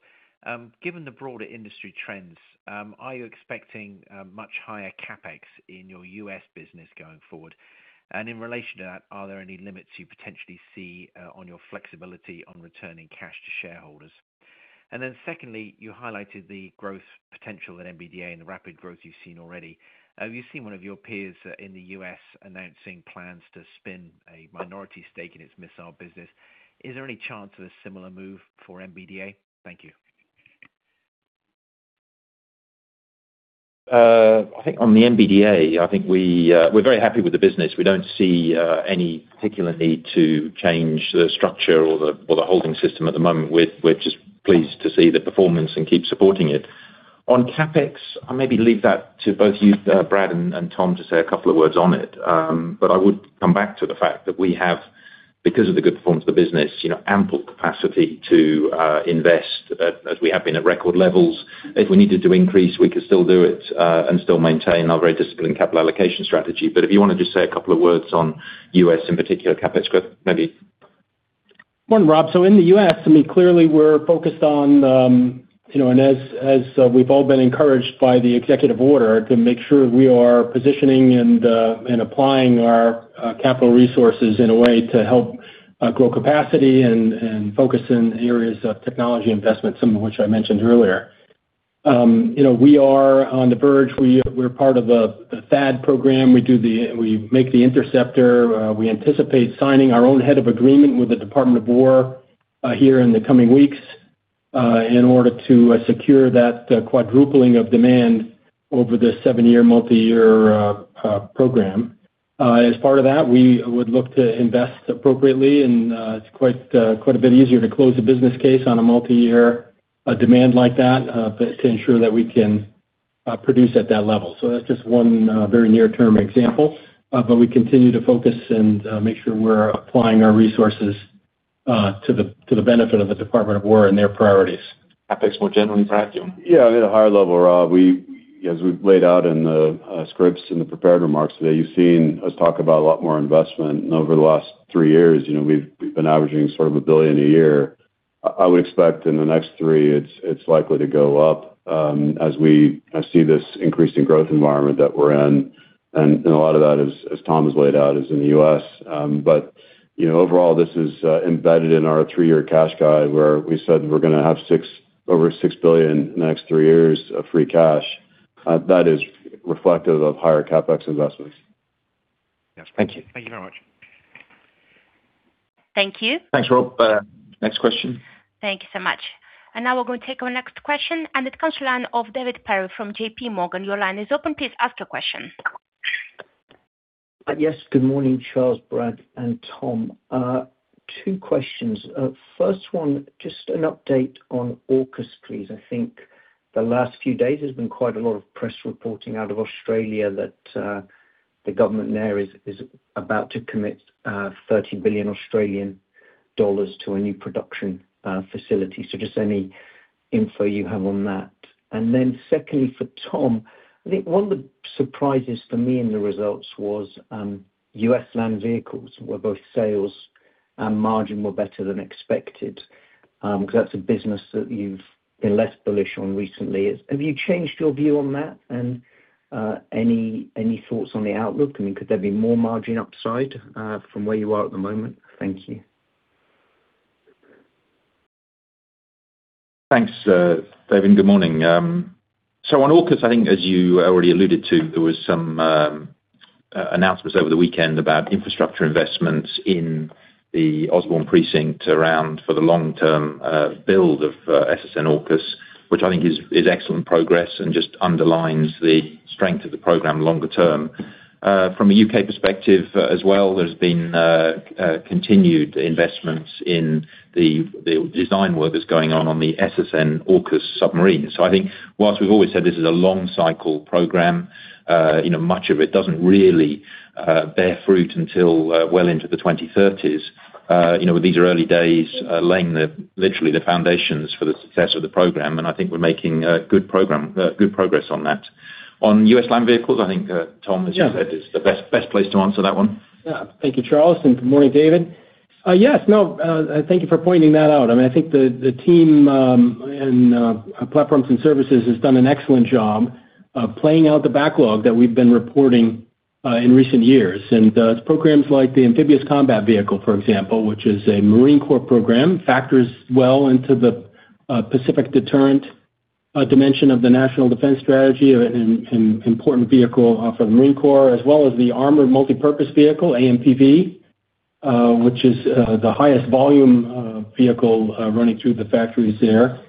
Given the broader industry trends, are you expecting much higher CapEx in your U.S. business going forward? And in relation to that, are there any limits you potentially see on your flexibility on returning cash to shareholders? And then secondly, you highlighted the growth potential at MBDA and the rapid growth you've seen already. Have you seen one of your peers in the U.S. announcing plans to spin a minority stake in its missile business? Is there any chance of a similar move for MBDA? Thank you. I think on the MBDA, I think we, we're very happy with the business. We don't see, any particular need to change the structure or the, or the holding system at the moment. We're, we're just pleased to see the performance and keep supporting it. On CapEx, I'll maybe leave that to both you, Brad and, Tom, to say a couple of words on it. But I would come back to the fact that we have, because of the good performance of the business, you know, ample capacity to, invest, as we have been at record levels. If we needed to increase, we could still do it, and still maintain our very disciplined capital allocation strategy. But if you want to just say a couple of words on U.S., in particular, CapEx growth, maybe. Morning, Rob. So in the U.S., I mean, clearly we're focused on, you know, and as, as we've all been encouraged by the executive order, to make sure we are positioning and, and applying our, capital resources in a way to help, grow capacity and, and focus in areas of technology investment, some of which I mentioned earlier. You know, we are on the verge. We, we're part of the, the THAAD program. We do the. We make the interceptor. We anticipate signing our own head of agreement with the Department of Defense, here in the coming weeks, in order to, secure that, quadrupling of demand over the seven-year, multiyear, program. As part of that, we would look to invest appropriately, and it's quite, quite a bit easier to close a business case on a multi-year demand like that, but to ensure that we can produce at that level. So that's just one very near-term example. But we continue to focus and make sure we're applying our resources to the benefit of the Department of War and their priorities. CapEx more generally, Brad? Yeah, at a higher level, Rob, we as we've laid out in the scripts in the prepared remarks today, you've seen us talk about a lot more investment over the last three years. You know, we've, we've been averaging sort of 1 billion a year. I, I would expect in the next three, it's, it's likely to go up, as we see this increasing growth environment that we're in, and, and a lot of that as, as Tom has laid out, is in the U.S. But, you know, overall, this is embedded in our three-year cash guide, where we said we're gonna have over 6 billion in the next three years of free cash. That is reflective of higher CapEx investments. Yes. Thank you. Thank you very much. Thank you. Thanks, Rob. Next question. Thank you so much. Now we're going to take our next question, and it comes to line of David Perry from J.P. Morgan. Your line is open. Please ask your question. Yes. Good morning, Charles, Brad, and Tom. Two questions. First one, just an update on AUKUS. I think the last few days, there's been quite a lot of press reporting out of Australia that the government there is about to commit 30 billion Australian dollars to a new production facility. So just any info you have on that. And then secondly, for Tom, I think one of the surprises for me in the results was U.S. land vehicles, where both sales and margin were better than expected. Because that's a business that you've been less bullish on recently. Have you changed your view on that? And any thoughts on the outlook? I mean, could there be more margin upside from where you are at the moment? Thank you. Thanks, David. Good morning. So on AUKUS, I think as you already alluded to, there was some announcements over the weekend about infrastructure investments in the Osborne precinct around for the long-term build of SSN-AUKUS, which I think is excellent progress and just underlines the strength of the program longer term. From a U.K. perspective as well, there's been continued investments in the design work that's going on on the SSN-AUKUS submarine. So I think whilst we've always said this is a long cycle program, you know, much of it doesn't really bear fruit until well into the 2030s. You know, these are early days, laying literally the foundations for the success of the program, and I think we're making good progress on that. On U.S. land vehicles, I think, Tom, as you said, is the best, best place to answer that one. Yeah. Thank you, Charles, and good morning, David. Yes, no, thank you for pointing that out. I mean, I think the team in Platforms and Services has done an excellent job of playing out the backlog that we've been reporting in recent years. And it's programs like the amphibious combat vehicle, for example, which is a Marine Corps program, factors well into the Pacific deterrent dimension of the National Defense Strategy, and an important vehicle for the Marine Corps, as well as the Armored Multi-Purpose Vehicle, AMPV, which is the highest volume vehicle running through the factories there.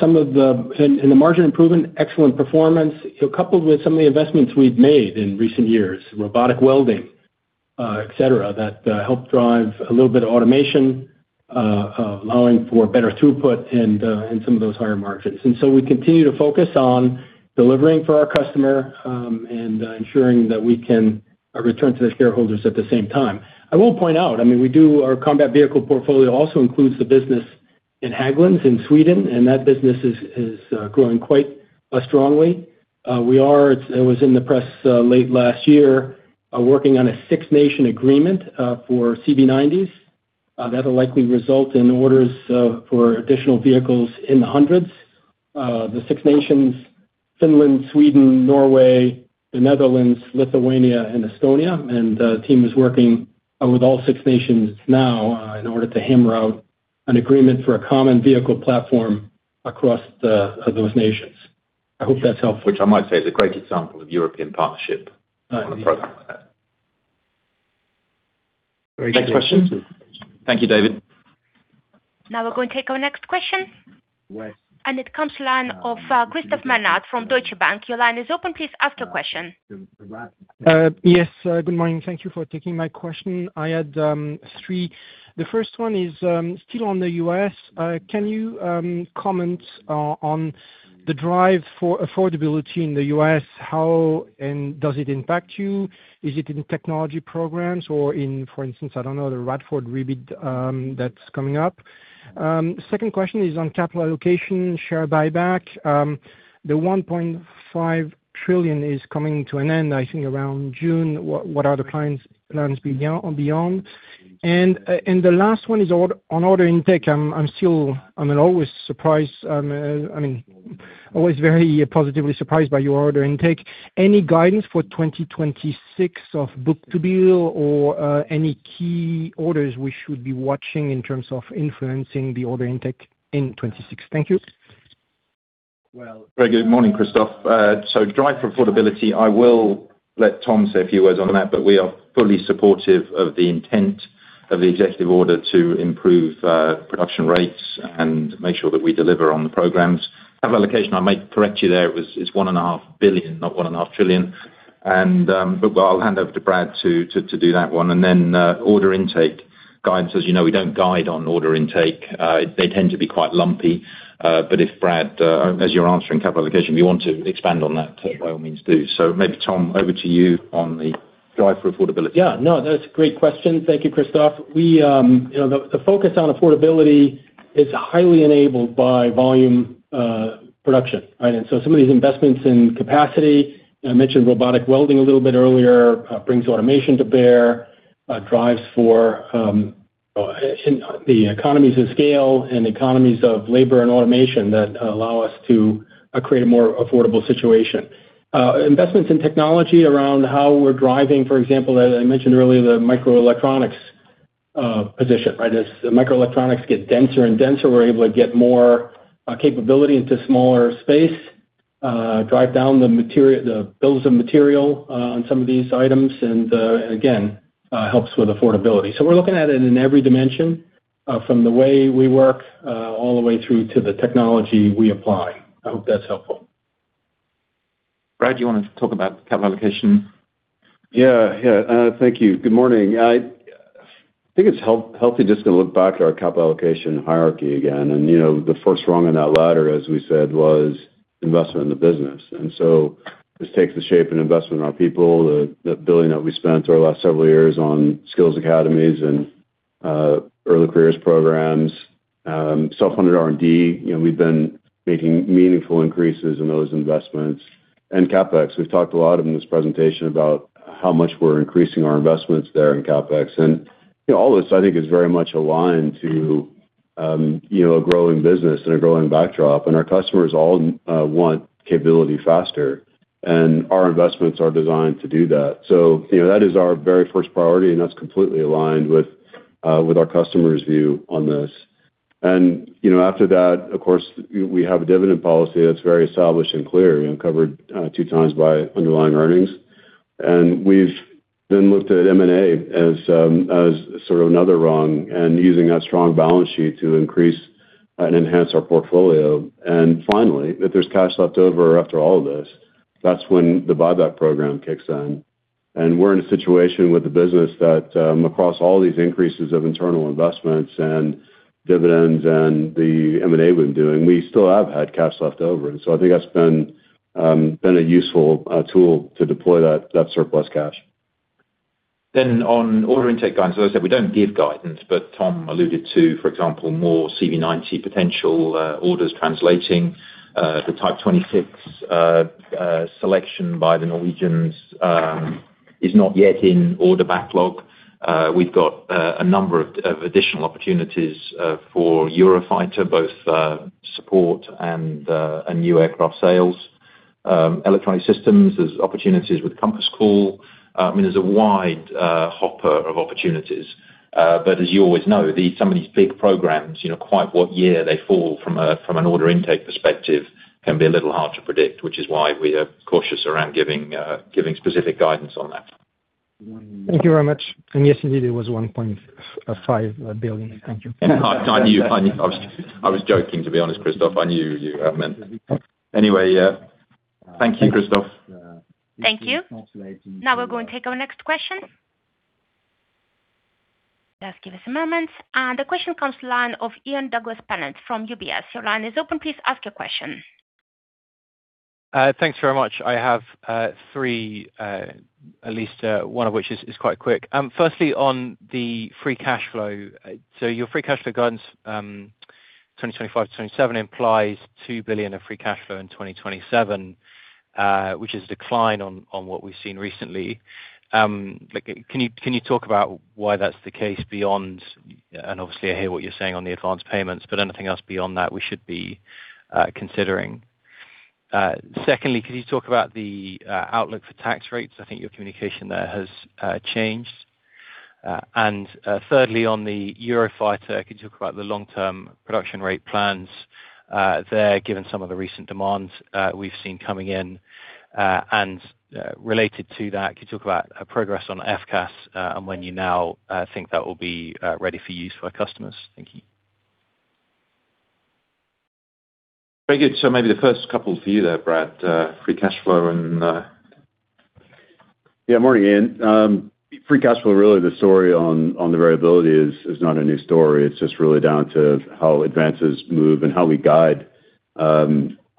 Some of the margin improvement, excellent performance, coupled with some of the investments we've made in recent years, robotic welding, et cetera, that help drive a little bit of automation, allowing for better throughput and some of those higher margins. So we continue to focus on delivering for our customer and ensuring that we can return to the shareholders at the same time. I will point out, I mean, we do, our combat vehicle portfolio also includes the business in Hägglunds, in Sweden, and that business is growing quite strongly. It was in the press late last year working on a six-nation agreement for CV90s. That'll likely result in orders for additional vehicles in the hundreds. The six nations, Finland, Sweden, Norway, the Netherlands, Lithuania, and Estonia, and the team is working with all six nations now in order to hammer out an agreement for a common vehicle platform across those nations. I hope that's helpful. Which I might say is a great example of European partnership on a program like that. Great. Next question. Thank you, David. Now we're going to take our next question. Yes. It comes line of, Christophe Menard from Deutsche Bank. Your line is open, please ask your question. Yes, good morning. Thank you for taking my question. I had three. The first one is still on the U.S. Can you comment on the drive for affordability in the U.S.? How and does it impact you? Is it in technology programs or in, for instance, I don't know, the Radford rebid that's coming up? Second question is on capital allocation, share buyback. The $1.5 trillion is coming to an end, I think, around June. What are the clients' plans beyond? And the last one is on order intake. I mean, always very positively surprised by your order intake. Any guidance for 2026 of book-to-bill or any key orders we should be watching in terms of influencing the order intake in 2026? Thank you. Well, very good morning, Christophe. So drive for affordability, I will let Tom say a few words on that, but we are fully supportive of the intent of the executive order to improve production rates and make sure that we deliver on the programs. I might correct you there, it's $1.5 billion, not $1.5 trillion. But I'll hand over to Brad to do that one, and then order intake guidance. As you know, we don't guide on order intake. They tend to be quite lumpy, but if Brad, as you're answering capital allocation, you want to expand on that, by all means, do so. Maybe Tom, over to you on the drive for affordability. Yeah. No, that's a great question. Thank you, Christophe. We, you know, the focus on affordability is highly enabled by volume production, right? And so some of these investments in capacity, I mentioned robotic welding a little bit earlier, brings automation to bear, drives for in the economies of scale and economies of labor and automation that allow us to create a more affordable situation. Investments in technology around how we're driving, for example, as I mentioned earlier, the microelectronics position, right? As microelectronics get denser and denser, we're able to get more capability into smaller space, drive down the material, the bills of material on some of these items, and again helps with affordability. We're looking at it in every dimension, from the way we work, all the way through to the technology we apply. I hope that's helpful. Brad, do you want to talk about capital allocation? Yeah. Yeah, thank you. Good morning. I think it's healthy just to look back at our capital allocation hierarchy again. And, you know, the first rung on that ladder, as we said, was investment in the business. And so this takes the shape of investment in our people, the 1 billion that we spent over the last several years on skills academies and early careers programs, self-funded R&D. You know, we've been making meaningful increases in those investments. And CapEx, we've talked a lot in this presentation about how much we're increasing our investments there in CapEx. And, you know, all of this, I think, is very much aligned to, you know, a growing business and a growing backdrop, and our customers all want capability faster, and our investments are designed to do that. So, you know, that is our very first priority, and that's completely aligned with, with our customers' view on this. And, you know, after that, of course, we, we have a dividend policy that's very established and clear, you know, covered, two times by underlying earnings. And we've then looked at M&A as, as sort of another rung, and using that strong balance sheet to increase and enhance our portfolio. And finally, if there's cash left over after all of this, that's when the buyback program kicks in. And we're in a situation with the business that, across all these increases of internal investments and dividends and the M&A we've been doing, we still have had cash left over. And so I think that's been, been a useful, tool to deploy that, that surplus cash. Then on order intake guidance, as I said, we don't give guidance, but Tom alluded to, for example, more CV90 potential orders translating the Type 26 selection by the Norwegians is not yet in order backlog. We've got a number of additional opportunities for Eurofighter, both support and new aircraft sales. Electronic Systems, there's opportunities with Compass Call. I mean, there's a wide hopper of opportunities. But as you always know, some of these big programs, you know, quite what year they fall from a, from an order intake perspective can be a little hard to predict, which is why we are cautious around giving specific guidance on that. Thank you very much. And yes, indeed, it was 1.5 billion. Thank you. I knew. I was joking, to be honest, Christophe. I knew you meant. Anyway, thank you, Christophe. Thank you. Now we're going to take our next question. Just give us a moment. The question comes line of Ian Douglas-Pennant from UBS. Your line is open. Please ask your question. Thanks very much. I have three, at least one of which is quite quick. Firstly, on the free cash flow. So your free cash flow guidance, 2025 to 2027 implies 2 billion of free cash flow in 2027, which is a decline on what we've seen recently. Like, can you talk about why that's the case beyond, and obviously, I hear what you're saying on the advanced payments, but anything else beyond that we should be considering? Secondly, could you talk about the outlook for tax rates? I think your communication there has changed. And thirdly, on the Eurofighter, can you talk about the long-term production rate plans there, given some of the recent demands we've seen coming in? Related to that, could you talk about progress on FCAS, and when you know, think that will be ready for use for our customers? Thank you. Very good. So maybe the first couple for you there, Brad, free cash flow and, Yeah. Morning, Ian. Free cash flow, really the story on the variability is not a new story. It's just really down to how advances move and how we guide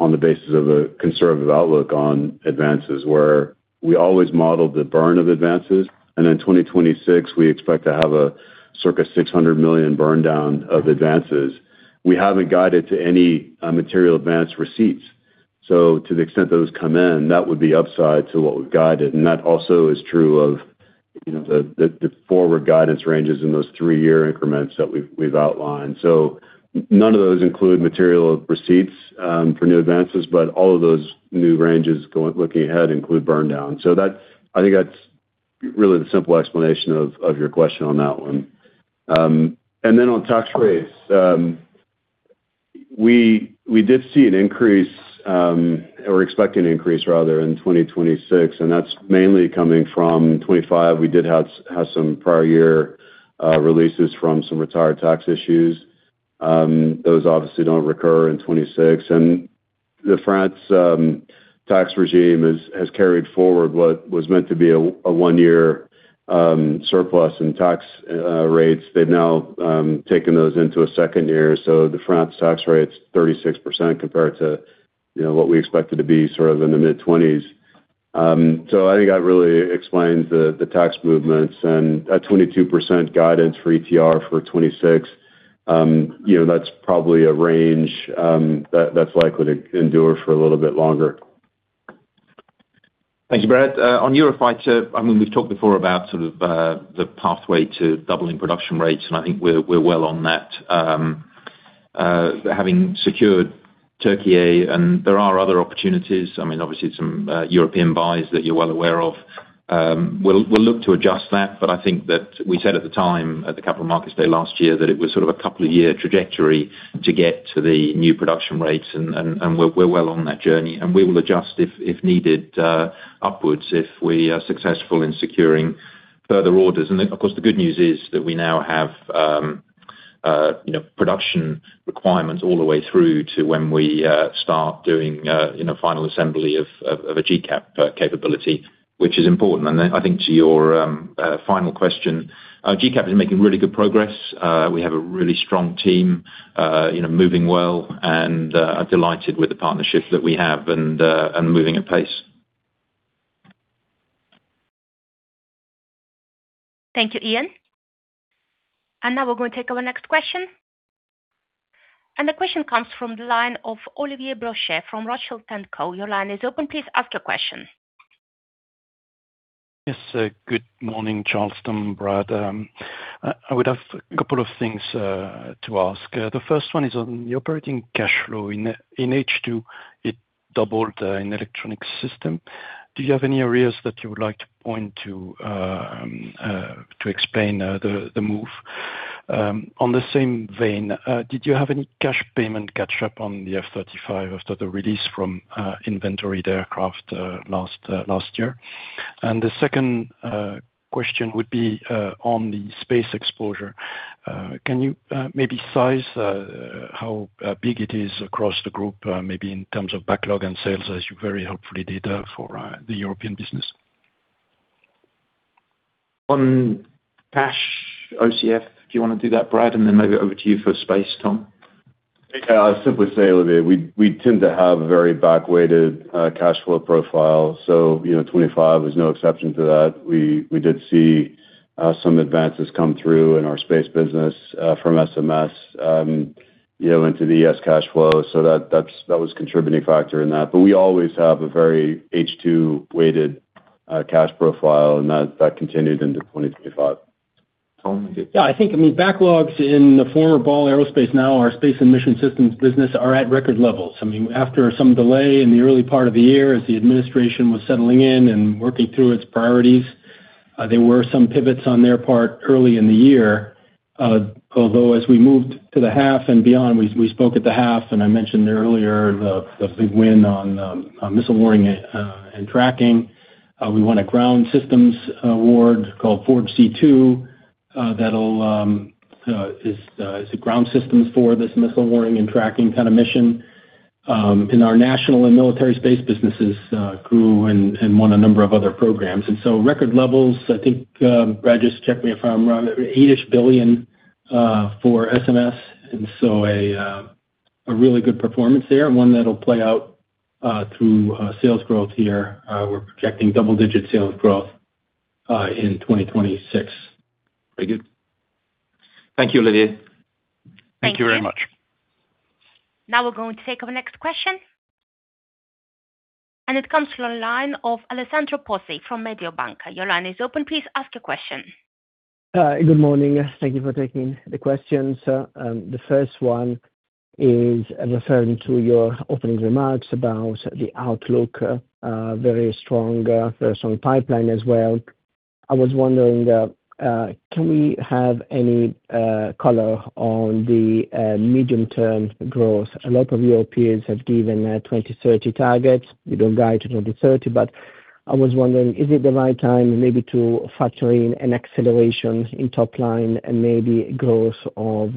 on the basis of a conservative outlook on advances, where we always model the burn of advances, and in 2026, we expect to have a circa 600 million burn down of advances. We haven't guided to any material advance receipts, so to the extent those come in, that would be upside to what we've guided. And that also is true of, you know, the forward guidance ranges in those three-year increments that we've outlined. So none of those include material receipts for new advances, but all of those new ranges going looking ahead include burn down. That's I think that's really the simple explanation of your question on that one. And then on tax rates, we did see an increase, or expect an increase rather in 2026, and that's mainly coming from 2025. We did have some prior year releases from some retired tax issues. Those obviously don't recur in 2026. And the France tax regime has carried forward what was meant to be a one-year surplus in tax rates. They've now taken those into a second year, so the France tax rate's 36% compared to, you know, what we expected to be sort of in the mid-20s.So, I think that really explains the tax movements, and a 22% guidance for ETR for 2026, you know, that's probably a range, that's likely to endure for a little bit longer. Thank you, Brad. On Eurofighter, I mean, we've talked before about sort of the pathway to doubling production rates, and I think we're well on that having secured Turkey, and there are other opportunities. I mean, obviously, some European buys that you're well aware of. We'll look to adjust that, but I think that we said at the time, at the Capital Markets Day last year, that it was sort of a couple of year trajectory to get to the new production rates, and we're well on that journey, and we will adjust if needed upwards, if we are successful in securing further orders. The good news is that we now have, you know, production requirements all the way through to when we start doing, you know, final assembly of, of, of a GCAP capability, which is important. I think to your, you know, final question, GCAP is making really good progress. We have a really strong team, you know, moving well, and I'm delighted with the partnership that we have and moving at pace. Thank you, Ian. Now we're going to take our next question. The question comes from the line of Olivier Brochet from Rothschild & Co. Your line is open. Please ask your question. Yes, good morning, Charles, Brad. I would have a couple of things to ask. The first one is on the operating cash flow in H2; it doubled in Electronic Systems. Do you have any areas that you would like to point to to explain the move? On the same vein, did you have any cash payment catch up on the F-35 after the release from inventoried aircraft last year? And the second question would be on the space exposure. Can you maybe size how big it is across the group, maybe in terms of backlog and sales, as you very helpfully did for the European business? On cash OCF, do you wanna do that, Brad? And then maybe over to you for space, Tom. Yeah, I'll simply say, Olivier, we tend to have very back-weighted, you know, cash flow profile, so, you know, 25 is no exception to that. We did see, you know, some advances come through in our space business, from SMS, you know, into the ES cash flow. So that was contributing factor in that. We always have a very H2-weighted, you know, cash profile, and that continued into 2025. Tom? Yeah, I think, I mean, backlogs in the former Ball Aerospace, now our Space & Mission Systems business, are at record levels. I mean, after some delay in the early part of the year, as the administration was settling in and working through its priorities, there were some pivots on their part early in the year. Although as we moved to the half and beyond, we, we spoke at the half, and I mentioned earlier the, the big win on, on missile warning and, and tracking. We won a ground systems, award called FORGE C2, that'll is, is the ground systems for this missile warning and tracking kind of mission. And our national and military space businesses, grew and, and won a number of other programs. And so record levels, I think, Brad, just check me if I'm wrong, 8-ish billion for SMS, and so a really good performance there, and one that'll play out through sales growth here. We're projecting double-digit sales growth in 2026. Very good. Thank you, Olivier. Thank you very much. Thank you. Now we're going to take our next question, and it comes from the line of Alessandro Pozzi from Mediobanca. Your line is open. Please ask your question. Good morning. Thank you for taking the questions. The first one is referring to your opening remarks about the outlook, very strong, very strong pipeline as well. I was wondering, can we have any color on the medium-term growth? A lot of your peers have given 2030 targets. You don't guide to 2030, but I was wondering, is it the right time maybe to factor in an acceleration in top line and maybe growth of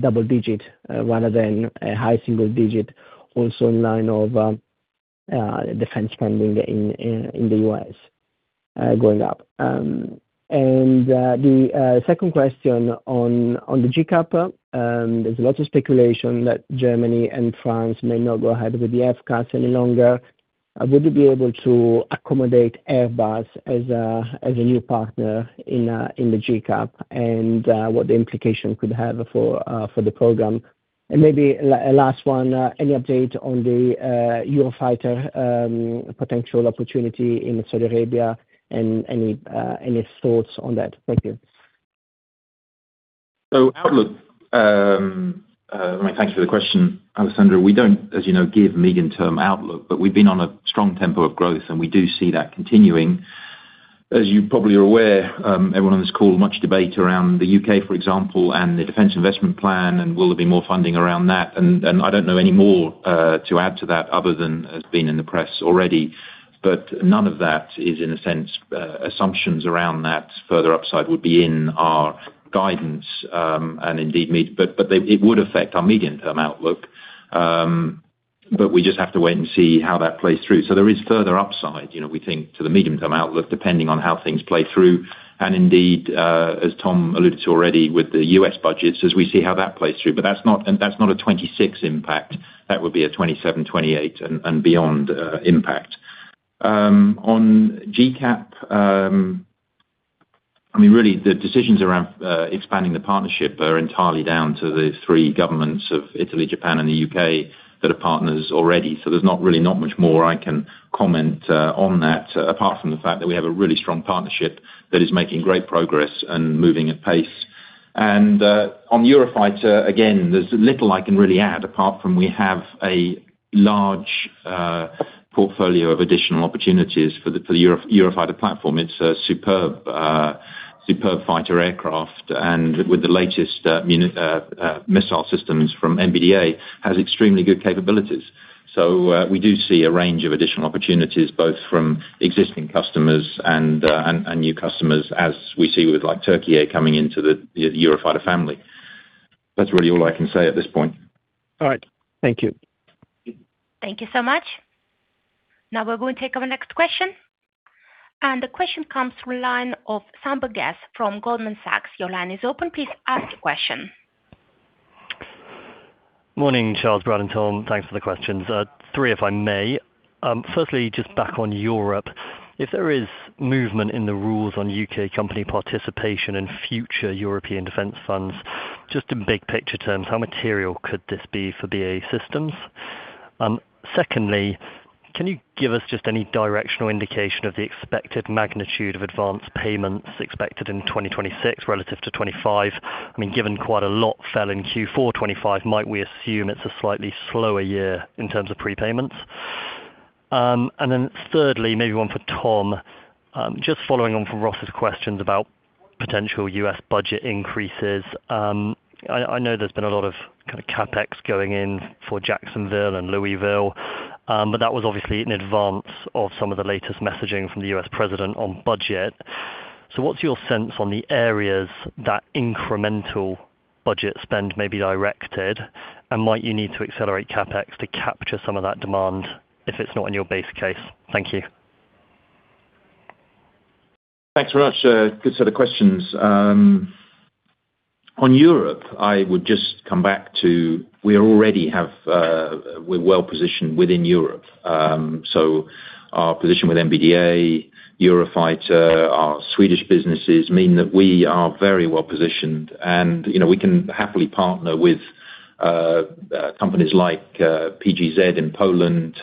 double-digit rather than a high single-digit, also in line of defense spending in the U.S. going up? And the second question on the GCAP. There's a lot of speculation that Germany and France may not go ahead with the FCAS any longer. Would you be able to accommodate Airbus as a new partner in the GCAP, and what the implication could have for the program? And maybe last one, any update on the Eurofighter potential opportunity in Saudi Arabia and any thoughts on that? Thank you. So, outlook, thank you for the question, Alessandro. We don't, as you know, give medium-term outlook, but we've been on a strong tempo of growth, and we do see that continuing. As you probably are aware, everyone on this call, much debate around the U.K., for example, and the defense investment plan, and will there be more funding around that? And I don't know any more to add to that other than has been in the press already. But none of that is, in a sense, assumptions around that. Further upside would be in our guidance, and indeed. But they, it would affect our medium-term outlook. But we just have to wait and see how that plays through. So there is further upside, you know, we think, to the medium-term outlook, depending on how things play through, and indeed, as Tom alluded to already with the U.S. budgets, as we see how that plays through. But that's not a 2026 impact. That would be a 2027, 2028, and beyond impact. On GCAP, I mean, really, the decisions around expanding the partnership are entirely down to the three governments of Italy, Japan, and the U.K. that are partners already. So there's not really not much more I can comment on that, apart from the fact that we have a really strong partnership that is making great progress and moving at pace. And on Eurofighter, again, there's little I can really add, apart from we have a large portfolio of additional opportunities for the Eurofighter platform. It's a superb, superb fighter aircraft, and with the latest missile systems from MBDA, has extremely good capabilities. So, we do see a range of additional opportunities, both from existing customers and new customers, as we see with, like, Turkey coming into the Eurofighter family. That's really all I can say at this point. All right. Thank you. Thank you so much. Now we're going to take our next question, and the question comes through line of Sam Burgess from Goldman Sachs. Your line is open. Please ask your question. Morning, Charles, Brad and Tom. Thanks for the questions. Three, if I may. Firstly, just back on Europe, if there is movement in the rules on U.K. company participation in future European defense funds, just in big picture terms, how material could this be for BAE Systems? Secondly, can you give us just any directional indication of the expected magnitude of advanced payments expected in 2026 relative to 2025? I mean, given quite a lot fell in Q4 2025, might we assume it's a slightly slower year in terms of prepayments? And then thirdly, maybe one for Tom. Just following on from Ross's questions about potential U.S. budget increases. I know there's been a lot of kind of CapEx going in for Jacksonville and Louisville, but that was obviously in advance of some of the latest messaging from the U.S. president on budget. So what's your sense on the areas that incremental budget spend may be directed? And might you need to accelerate CapEx to capture some of that demand, if it's not in your base case? Thank you. Thanks very much. Good set of questions. On Europe, I would just come back to, we already have, we're well positioned within Europe. So our position with MBDA, Eurofighter, our Swedish businesses, mean that we are very well positioned. And, you know, we can happily partner with, companies like, PGZ in Poland,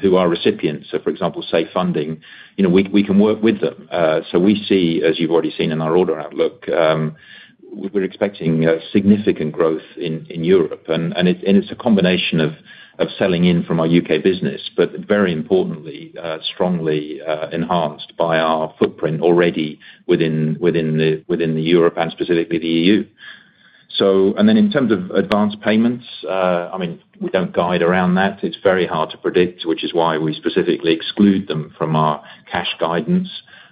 who are recipients of, for example, safe funding. You know, we, we can work with them. So we see, as you've already seen in our order outlook, we're expecting, significant growth in Europe, and it's a combination of selling in from our U.K. business, but very importantly, strongly enhanced by our footprint already within Europe and specifically the EU. So. And then in terms of advanced payments, I mean, we don't guide around that. It's very hard to predict, which is why we specifically exclude them from our cash guidance.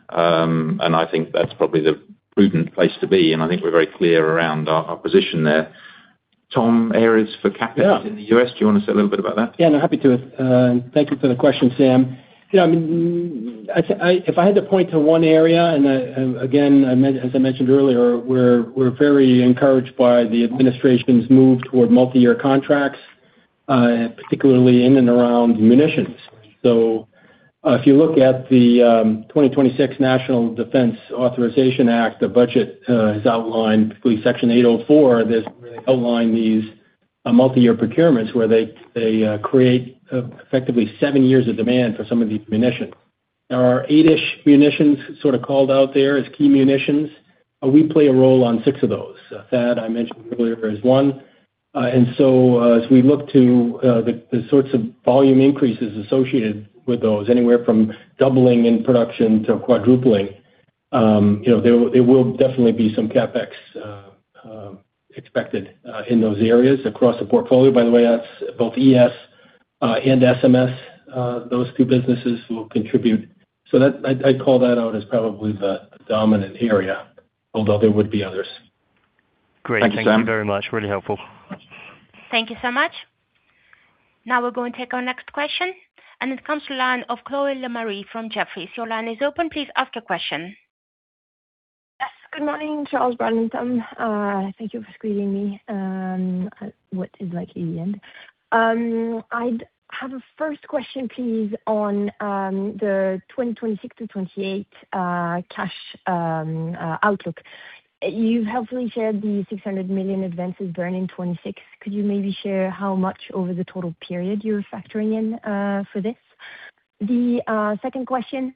And I think that's probably the prudent place to be, and I think we're very clear around our, our position there. Tom, areas for CapEx- Yeah... in the U.S., do you wanna say a little bit about that? Yeah, no, happy to. Thank you for the question, Sam. Yeah, I mean, if I had to point to one area, and again, as I mentioned earlier, we're very encouraged by the administration's move toward multi-year contracts, particularly in and around munitions. So, if you look at the 2026 National Defense Authorization Act, the budget has outlined, particularly Section 804, that's really outlined these multi-year procurements, where they create effectively seven years of demand for some of these munitions. There are 8-ish munitions sort of called out there as key munitions, we play a role on six of those. THAAD, I mentioned earlier, is one. And so, as we look to the sorts of volume increases associated with those, anywhere from doubling in production to quadrupling, you know, there will definitely be some CapEx expected in those areas across the portfolio. By the way, that's both ES and SMS. Those two businesses will contribute. So, I'd call that out as probably the dominant area, although there would be others. Great. Thank you, Sam. Thank you very much. Really helpful. Thank you so much. Now we're going to take our next question, and it comes to line of Chloe Lemarie from Jefferies. Your line is open. Please ask your question. Yes, good morning, Charles, Brad and Tom. Thank you for squeezing me, what is likely the end. I'd have a first question, please, on the 2026-2028 cash outlook. You've helpfully shared the 600 million advances during 2026. Could you maybe share how much over the total period you're factoring in for this? The second question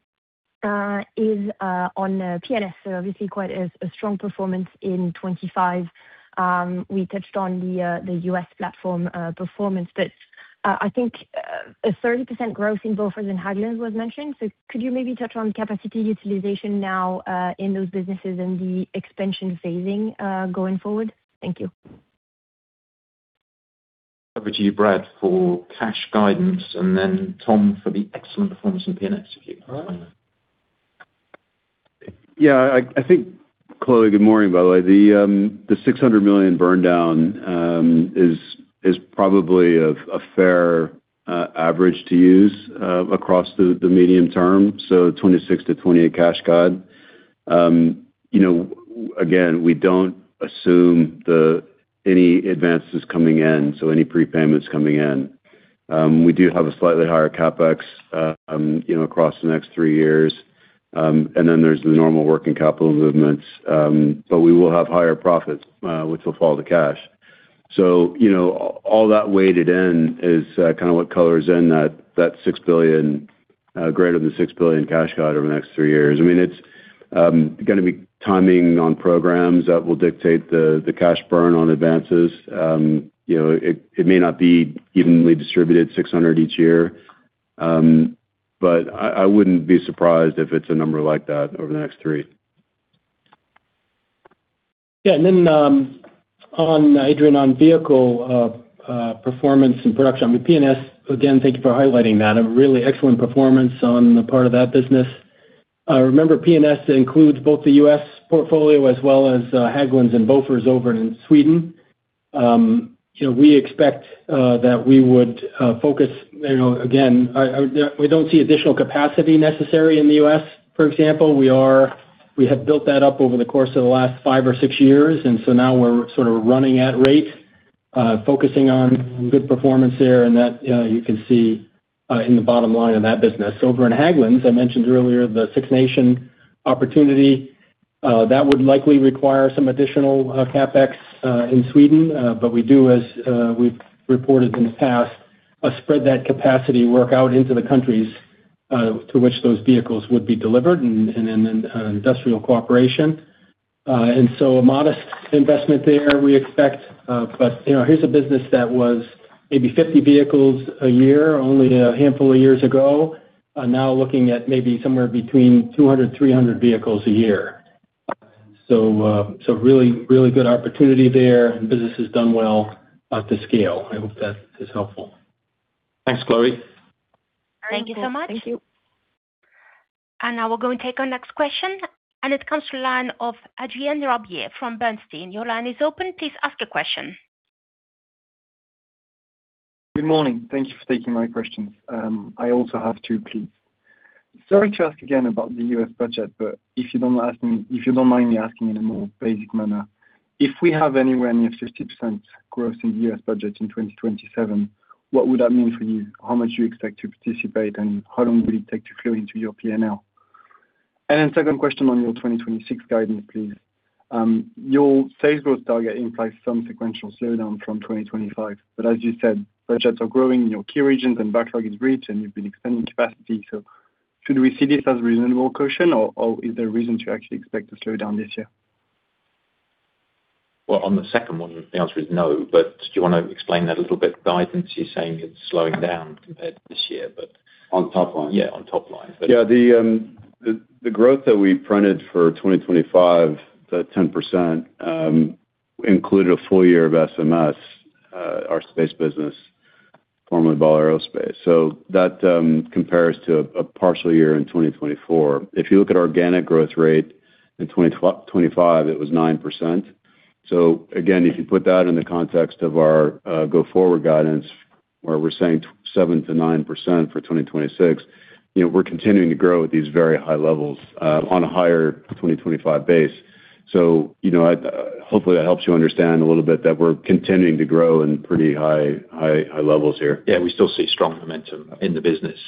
is on P&L. Obviously quite a strong performance in 2025. We touched on the U.S. platform performance, but I think a 30% growth in Bofors and Hägglunds was mentioned. Could you maybe touch on capacity utilization now in those businesses and the expansion phasing going forward? Thank you. Over to you, Brad, for cash guidance, and then Tom, for the excellent performance in P&S. All right. Yeah, I think, Chloe, good morning, by the way. The 600 million burn down is probably a fair average to use across the medium term, so 2026-2028 cash guide. You know, again, we don't assume any advances coming in, so any prepayments coming in. We do have a slightly higher CapEx, you know, across the next three years, and then there's the normal working capital movements, but we will have higher profits, which will fall to cash. You know, all that weighted in is kind of what colors in that 6 billion, greater than 6 billion cash guide over the next three years. I mean, it's gonna be timing on programs that will dictate the cash burn on advances. You know, it may not be evenly distributed, 600 each year, but I wouldn't be surprised if it's a number like that over the next three. Yeah. And then on vehicle performance and production, I mean, P&S, again, thank you for highlighting that, a really excellent performance on the part of that business. Remember, P&S includes both the U.S. portfolio as well as, Hägglunds and Bofors over in Sweden. You know, we expect that we would focus, you know, again, I-- we don't see additional capacity necessary in the U.S., for example. We are-- we have built that up over the course of the last five or six years, and so now we're sort of running at rate, focusing on good performance there, and that you can see in the bottom line of that business. Over in Hägglunds, I mentioned earlier, the Six Nations opportunity, that would likely require some additional CapEx in Sweden. But we do, as we've reported in the past, spread that capacity work out into the countries to which those vehicles would be delivered and, and then industrial cooperation. And so a modest investment there, we expect. But, you know, here's a business that was maybe 50 vehicles a year, only a handful of years ago, now looking at maybe somewhere between 200-300 vehicles a year. So, so really, really good opportunity there, and business has done well at the scale. I hope that is helpful. Thanks, Chloe. Thank you so much. Thank you. And now we're going to take our next question, and it comes from the line of Adrien Rabier from Bernstein. Your line is open. Please ask a question. Good morning. Thank you for taking my questions. I also have two, please. Sorry to ask again about the U.S. budget, but if you don't mind me asking in a more basic manner, if we have anywhere near 60% growth in the U.S. budget in 2027, what would that mean for you? How much do you expect to participate, and how long would it take to flow into your P&L? And then second question on your 2026 guidance, please. Your sales growth target implies some sequential slowdown from 2025, but as you said, budgets are growing in your key regions and backlog is rich and you've been expanding capacity. So should we see this as reasonable caution, or is there a reason to actually expect to slow down this year? Well, on the second one, the answer is no, but do you wanna explain that a little bit? Guidance, you're saying it's slowing down compared to this year, but- On top line. Yeah, on top line. Yeah, the growth that we printed for 2025, the 10%, included a full year of SMS, our space business, formerly Ball Aerospace. So that compares to a partial year in 2024. If you look at organic growth rate in 2025, it was 9%. So again, if you put that in the context of our go-forward guidance, where we're saying 7%-9% for 2026, you know, we're continuing to grow at these very high levels on a higher 2025 base. So, you know, I hopefully that helps you understand a little bit that we're continuing to grow in pretty high, high, high levels here. Yeah, we still see strong momentum in the business.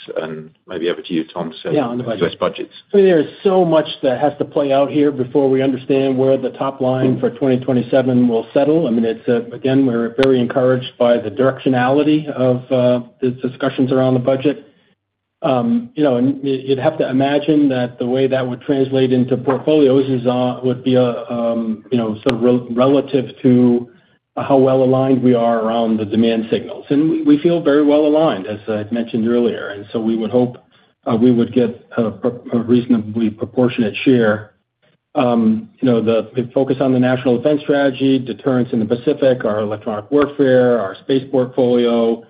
Maybe over to you, Tom, on the- Yeah. U.S. budgets. I mean, there is so much that has to play out here before we understand where the top line for 2027 will settle. I mean, it's, again, we're very encouraged by the directionality of the discussions around the budget. You know, you'd have to imagine that the way that would translate into portfolios is, you know, sort of relative to how well aligned we are around the demand signals. We feel very well aligned, as I'd mentioned earlier, and so we would hope we would get a reasonably proportionate share. You know, we focus on the National Defense Strategy, deterrence in the Pacific, our electronic warfare, our space portfolio,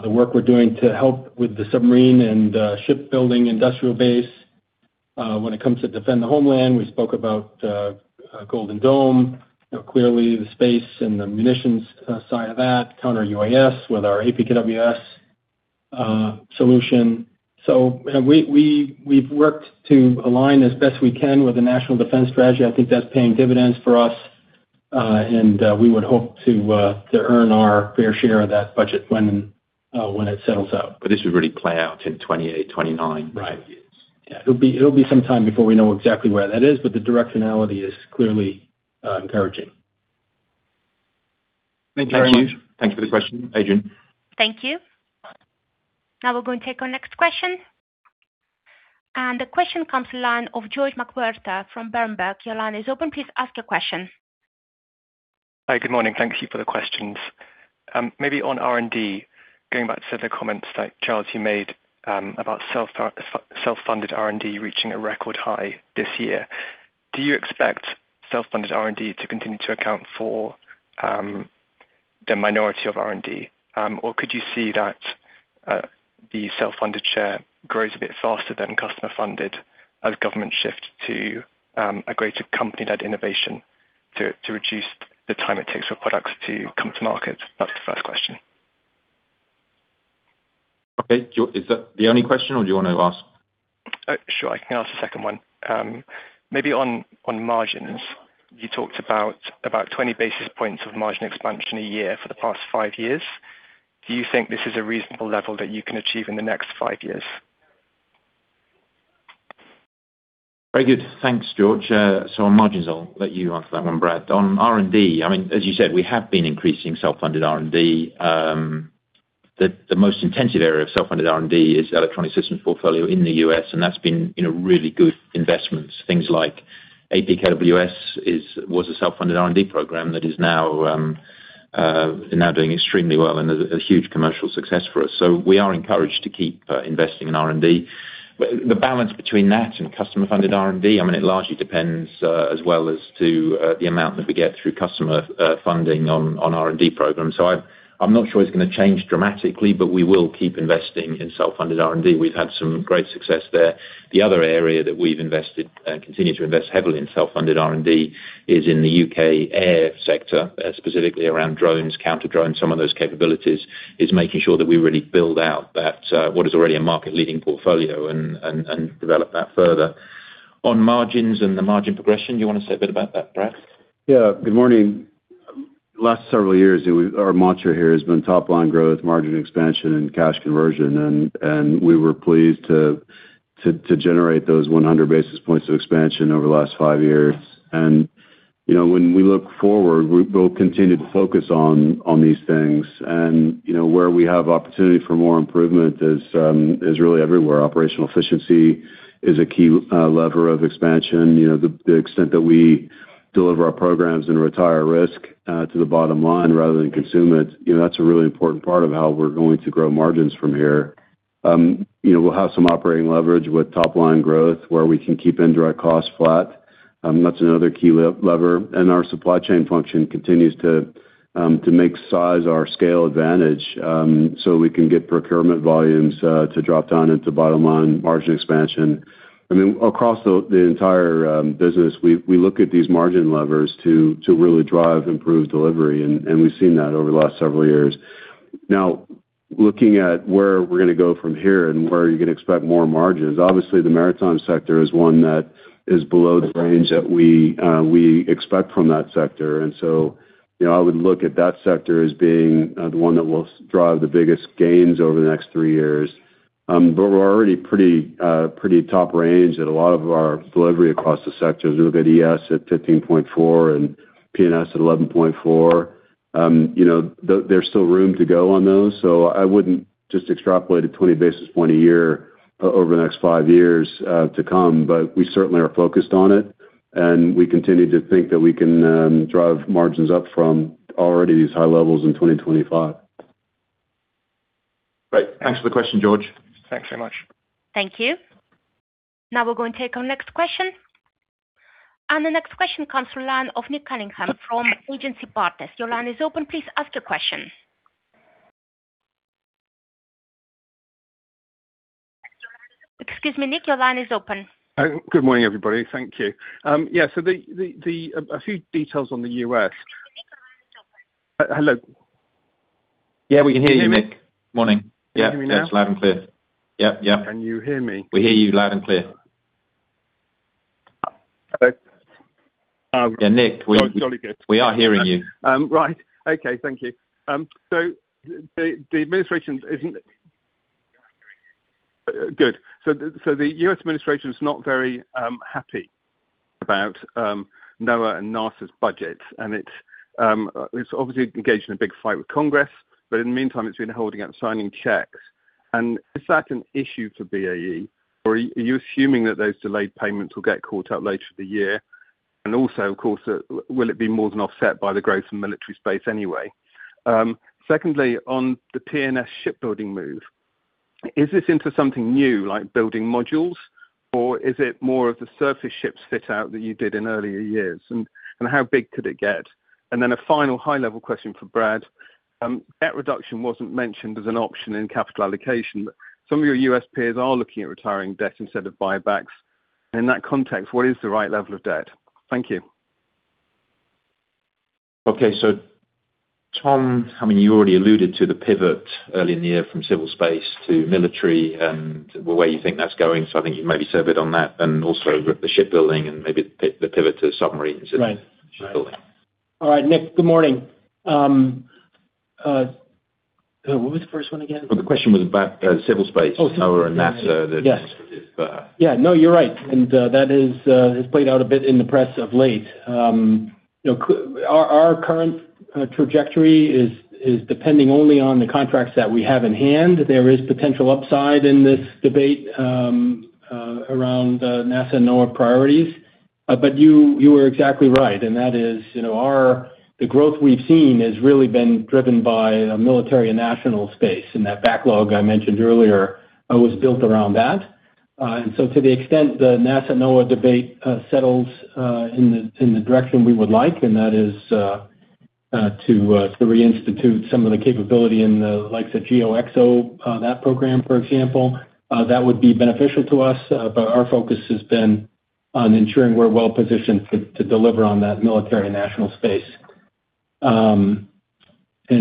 the work we're doing to help with the submarine and shipbuilding industrial base. When it comes to defend the homeland, we spoke about Golden Dome, you know, clearly the space and the munitions side of that, counter-UAS with our APKWS solution. So, you know, we've worked to align as best we can with the National Defense Strategy. I think that's paying dividends for us, and we would hope to earn our fair share of that budget when it settles out. But this would really play out in 2028, 2029- Right. Years. Yeah. It'll be some time before we know exactly where that is, but the directionality is clearly encouraging. Thank you very much. Thanks for the question, Adrien. Thank you. Now we're going to take our next question. The question comes to line of George McWhirter from Berenberg. Your line is open. Please ask your question. Hi, good morning. Thank you for the questions. Maybe on R&D, going back to the comments that, Charles, you made, about self-funded R&D reaching a record high this year. Do you expect self-funded R&D to continue to account for the minority of R&D? Or could you see that the self-funded share grows a bit faster than customer-funded as governments shift to a greater company-led innovation to reduce the time it takes for products to come to market? That's the first question. Okay. Is that the only question, or do you want to ask? Sure. I can ask the second one. Maybe on margins, you talked about 20 basis points of margin expansion a year for the past five years. Do you think this is a reasonable level that you can achieve in the next five years? Very good. Thanks, George. So on margins, I'll let you answer that one, Brad. On R&D, I mean, as you said, we have been increasing self-funded R&D. The most intensive area of self-funded R&D is Electronic Systems portfolio in the U.S., and that's been, you know, really good investments. Things like APKWS was a self-funded R&D program that is now doing extremely well and a huge commercial success for us. So we are encouraged to keep investing in R&D. But the balance between that and customer-funded R&D, I mean, it largely depends, as well as to the amount that we get through customer funding on R&D programs. So I'm not sure it's gonna change dramatically, but we will keep investing in self-funded R&D. We've had some great success there. The other area that we've invested and continue to invest heavily in self-funded R&D is in the U.K. air sector, specifically around drones, counter drones. Some of those capabilities is making sure that we really build out that, what is already a market-leading portfolio and, and, and develop that further. On margins and the margin progression, you wanna say a bit about that, Brad? Yeah, good morning. Last several years, our mantra here has been top line growth, margin expansion, and cash conversion, and we were pleased to generate those 100 basis points of expansion over the last five years. And, you know, when we look forward, we'll continue to focus on these things. And, you know, where we have opportunity for more improvement is really everywhere. Operational efficiency is a key lever of expansion. You know, the extent that we deliver our programs and retire risk to the bottom line rather than consume it, you know, that's a really important part of how we're going to grow margins from here. You know, we'll have some operating leverage with top line growth, where we can keep indirect costs flat. That's another key lever. Our supply chain function continues to make size our scale advantage, so we can get procurement volumes to drop down into bottom line margin expansion. I mean, across the entire business, we look at these margin levers to really drive improved delivery, and we've seen that over the last several years. Now, looking at where we're gonna go from here and where you can expect more margins, obviously, the maritime sector is one that is below the range that we expect from that sector. So, you know, I would look at that sector as being the one that will drive the biggest gains over the next three years. But we're already pretty top range at a lot of our delivery across the sectors. You look at ES at 15.4 and P&S at 11.4, you know, there's still room to go on those, so I wouldn't just extrapolate a 20 basis point a year over the next five years to come. We certainly are focused on it, and we continue to think that we can, you know, drive margins up from already these high levels in 2025. Great. Thanks for the question, George. Thanks so much. Thank you. Now we're going to take our next question. The next question comes from line of Nick Cunningham from Agency Partners. Your line is open. Please ask your question. Excuse me, Nick, your line is open. Good morning, everybody. Thank you. Yeah, so a few details on the U.S. Nick, your line is open. Hello? Yeah, we can hear you, Nick. Can you hear me? Morning. Can you hear me now? Yeah, it's loud and clear. Yep, yep. Can you hear me? We hear you loud and clear. Hello? Um- Yeah, Nick, we- Jolly good We are hearing you. Right. Okay, thank you. So the administration isn't good. So the U.S. administration is not very happy about NOAA and NASA's budget, and it's obviously engaged in a big fight with Congress, but in the meantime, it's been holding out and signing checks. And is that an issue for BAE, or are you assuming that those delayed payments will get caught up later in the year? And also, of course, will it be more than offset by the growth in military space anyway? Secondly, on the P&S shipbuilding move, is this into something new, like building modules, or is it more of the surface ships fit out that you did in earlier years? And how big could it get? And then a final high-level question for Brad. Debt reduction wasn't mentioned as an option in capital allocation, but some of your U.S. peers are looking at retiring debt instead of buybacks. In that context, what is the right level of debt? Thank you. Okay, so Tom, I mean, you already alluded to the pivot early in the year from civil space to military and where you think that's going. So I think you maybe say a bit on that, and also the shipbuilding and maybe the pivot to submarines- Right - and shipbuilding. All right, Nick, good morning. What was the first one again? Well, the question was about civil space- Oh, sure NOAA and NASA, the- Yes. - uh. Yeah. No, you're right, and that has played out a bit in the press of late. You know, our current trajectory is depending only on the contracts that we have in hand. There is potential upside in this debate around NASA/NOAA priorities. But you are exactly right, and that is, you know, our the growth we've seen has really been driven by a military and national space, and that backlog I mentioned earlier was built around that. And so to the extent the NASA/NOAA debate settles in the direction we would like, and that is to reinstitute some of the capability in the likes of GeoXO, that program, for example, that would be beneficial to us. But our focus has been on ensuring we're well positioned to deliver on that military and national space. And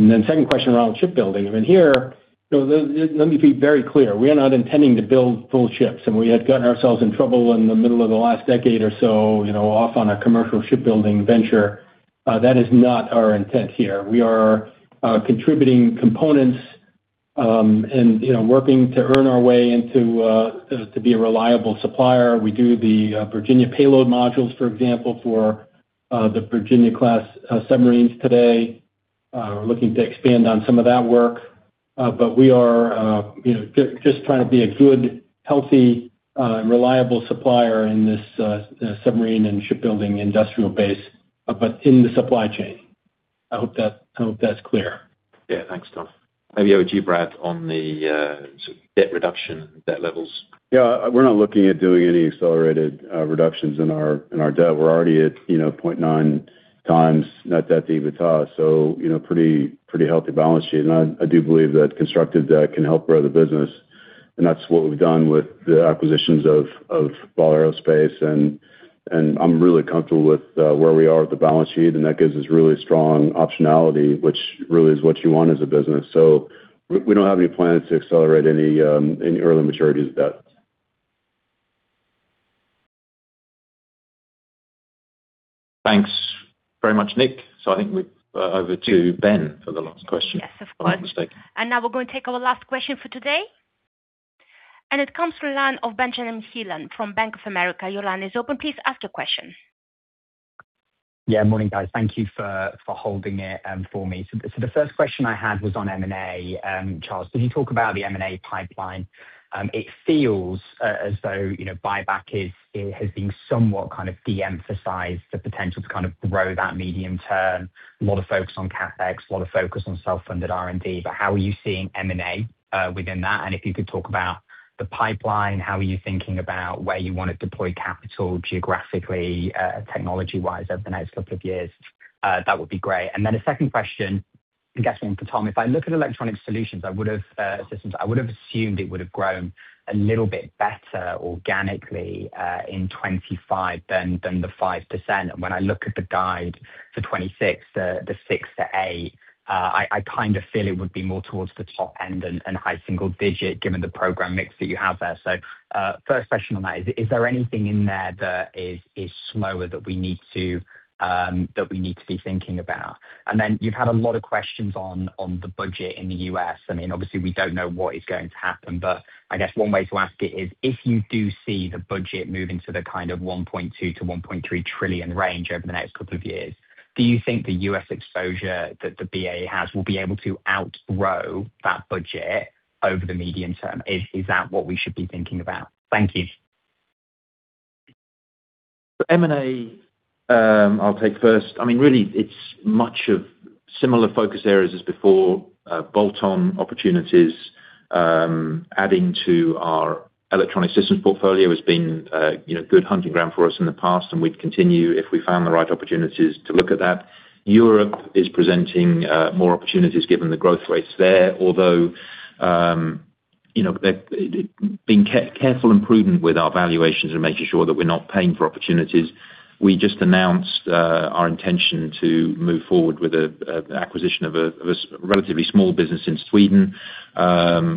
then second question around shipbuilding. I mean, here, you know, let me be very clear. We are not intending to build full ships, and we had gotten ourselves in trouble in the middle of the last decade or so, you know, off on a commercial shipbuilding venture. That is not our intent here. We are contributing components, and, you know, working to earn our way into to be a reliable supplier. We do the Virginia payload modules, for example, for the Virginia-class submarines today. We're looking to expand on some of that work, but we are, you know, just, just trying to be a good, healthy, and reliable supplier in this, submarine and shipbuilding industrial base, but in the supply chain. I hope that, I hope that's clear. Yeah. Thanks, Tom. Maybe over to you, Brad, on the sort of debt reduction, debt levels. Yeah. We're not looking at doing any accelerated reductions in our debt. We're already at, you know, 0.9 times net debt to EBITDA, so, you know, pretty, pretty healthy balance sheet. And I do believe that constructive debt can help grow the business, and that's what we've done with the acquisitions of Ball Aerospace. And I'm really comfortable with where we are with the balance sheet, and that gives us really strong optionality, which really is what you want as a business. So we don't have any plans to accelerate any early maturities debt. Thanks very much, Nick. I think we're over to Ben for the last question. Yes, of course. If I'm not mistaken. Now we're going to take our last question for today, and it comes from the line of Benjamin Heelan from Bank of America. Your line is open. Please ask your question. Yeah, morning, guys. Thank you for holding it for me. So the first question I had was on M&A. Charles, can you talk about the M&A pipeline? It feels as though, you know, buyback is, it has been somewhat kind of de-emphasized, the potential to kind of grow that medium term. A lot of focus on CapEx, a lot of focus on self-funded R&D, but how are you seeing M&A within that? And if you could talk about the pipeline, how are you thinking about where you want to deploy capital geographically, technology-wise over the next couple of years? That would be great. And then a second question, I'm guessing for Tom, if I look at electronic solutions, I would've, systems, I would've assumed it would've grown a little bit better organically in 2025 than the 5%. When I look at the guide for 2026, the 6%-8%, I kind of feel it would be more towards the top end and high single-digit, given the program mix that you have there. So, first question on that, is there anything in there that is slower that we need to be thinking about? And then you've had a lot of questions on, on the budget in the U.S., and then obviously, we don't know what is going to happen, but I guess one way to ask it is, if you do see the budget moving to the kind of $1.2-$1.3 trillion range over the next couple of years, do you think the U.S. exposure that the BAE has will be able to outgrow that budget over the medium term? Is, is that what we should be thinking about? Thank you. M&A, I'll take first. I mean, really, it's much of similar focus areas as before. Bolt-on opportunities, adding to our Electronic Systems portfolio has been, you know, good hunting ground for us in the past, and we'd continue, if we found the right opportunities, to look at that. Europe is presenting more opportunities given the growth rates there, although, you know, being careful and prudent with our valuations and making sure that we're not paying for opportunities. We just announced our intention to move forward with a acquisition of a relatively small business in Sweden,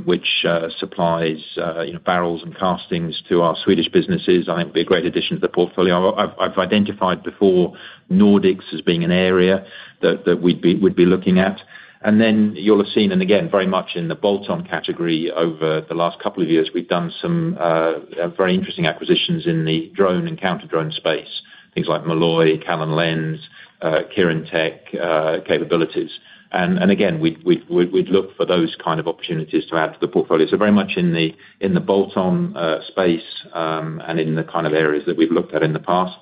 which supplies, you know, barrels and castings to our Swedish businesses. I think it'll be a great addition to the portfolio. I've identified before Nordics as being an area that we'd be looking at. You'll have seen, very much in the bolt-on category, over the last couple of years, we've done some very interesting acquisitions in the drone and counter-drone space. Things like Malloy, Callen-Lenz, Kirintec capabilities. Again, we'd look for those kind of opportunities to add to the portfolio. Very much in the bolt-on space, and in the kind of areas that we've looked at in the past.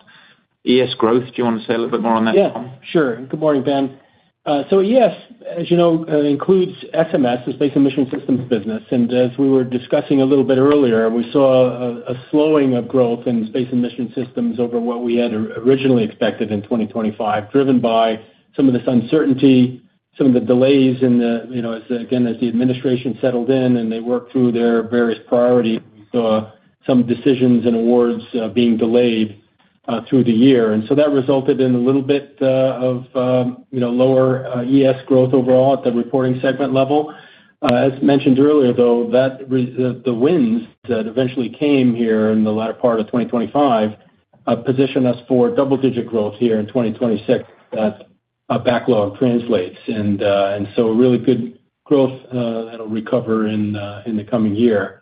ES growth, do you want to say a little bit more on that, Tom? Yeah, sure. Good morning, Ben. ES, as you know, includes SMS, the Space & Mission Systems business. As we were discussing a little bit earlier, we saw a slowing of growth in Space & Mission Systems over what we had originally expected in 2025, driven by some of this uncertainty, some of the delays in the, you know, as the administration settled in and they worked through their various priorities, we saw some decisions and awards being delayed through the year. That resulted in a little bit of, you know, lower ES growth overall at the reporting segment level. As mentioned earlier, though, that the wins that eventually came here in the latter part of 2025 positioned us for double-digit growth here in 2026, as backlog translates. And so really good growth, that'll recover in the coming year.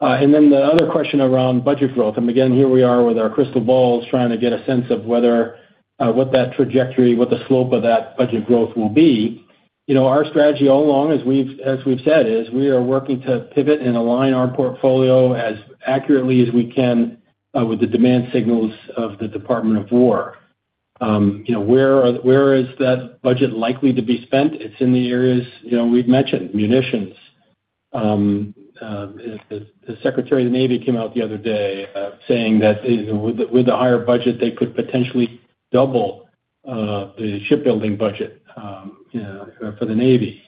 And then the other question around budget growth, and again, here we are with our crystal balls, trying to get a sense of whether what that trajectory, what the slope of that budget growth will be. You know, our strategy all along, as we've said, is we are working to pivot and align our portfolio as accurately as we can with the demand signals of the Department of War. You know, where is that budget likely to be spent? It's in the areas, you know, we've mentioned, munitions. The Secretary of the Navy came out the other day, saying that with the higher budget, they could potentially double the shipbuilding budget for the Navy.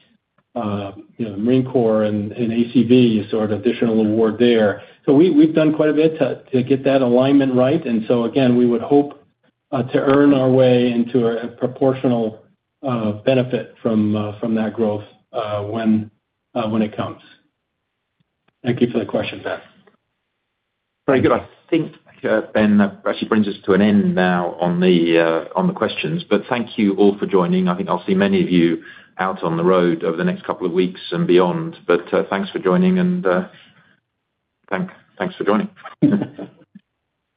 You know, Marine Corps and ACV saw an additional award there. So we've done quite a bit to get that alignment right. And so again, we would hope to earn our way into a proportional benefit from that growth, when it comes. Thank you for that question, Ben. Very good. I think, Ben, that actually brings us to an end now on the questions. But thank you all for joining. I think I'll see many of you out on the road over the next couple of weeks and beyond. But, thanks for joining and, thanks for joining.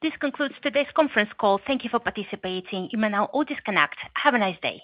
This concludes today's conference call. Thank you for participating. You may now all disconnect. Have a nice day.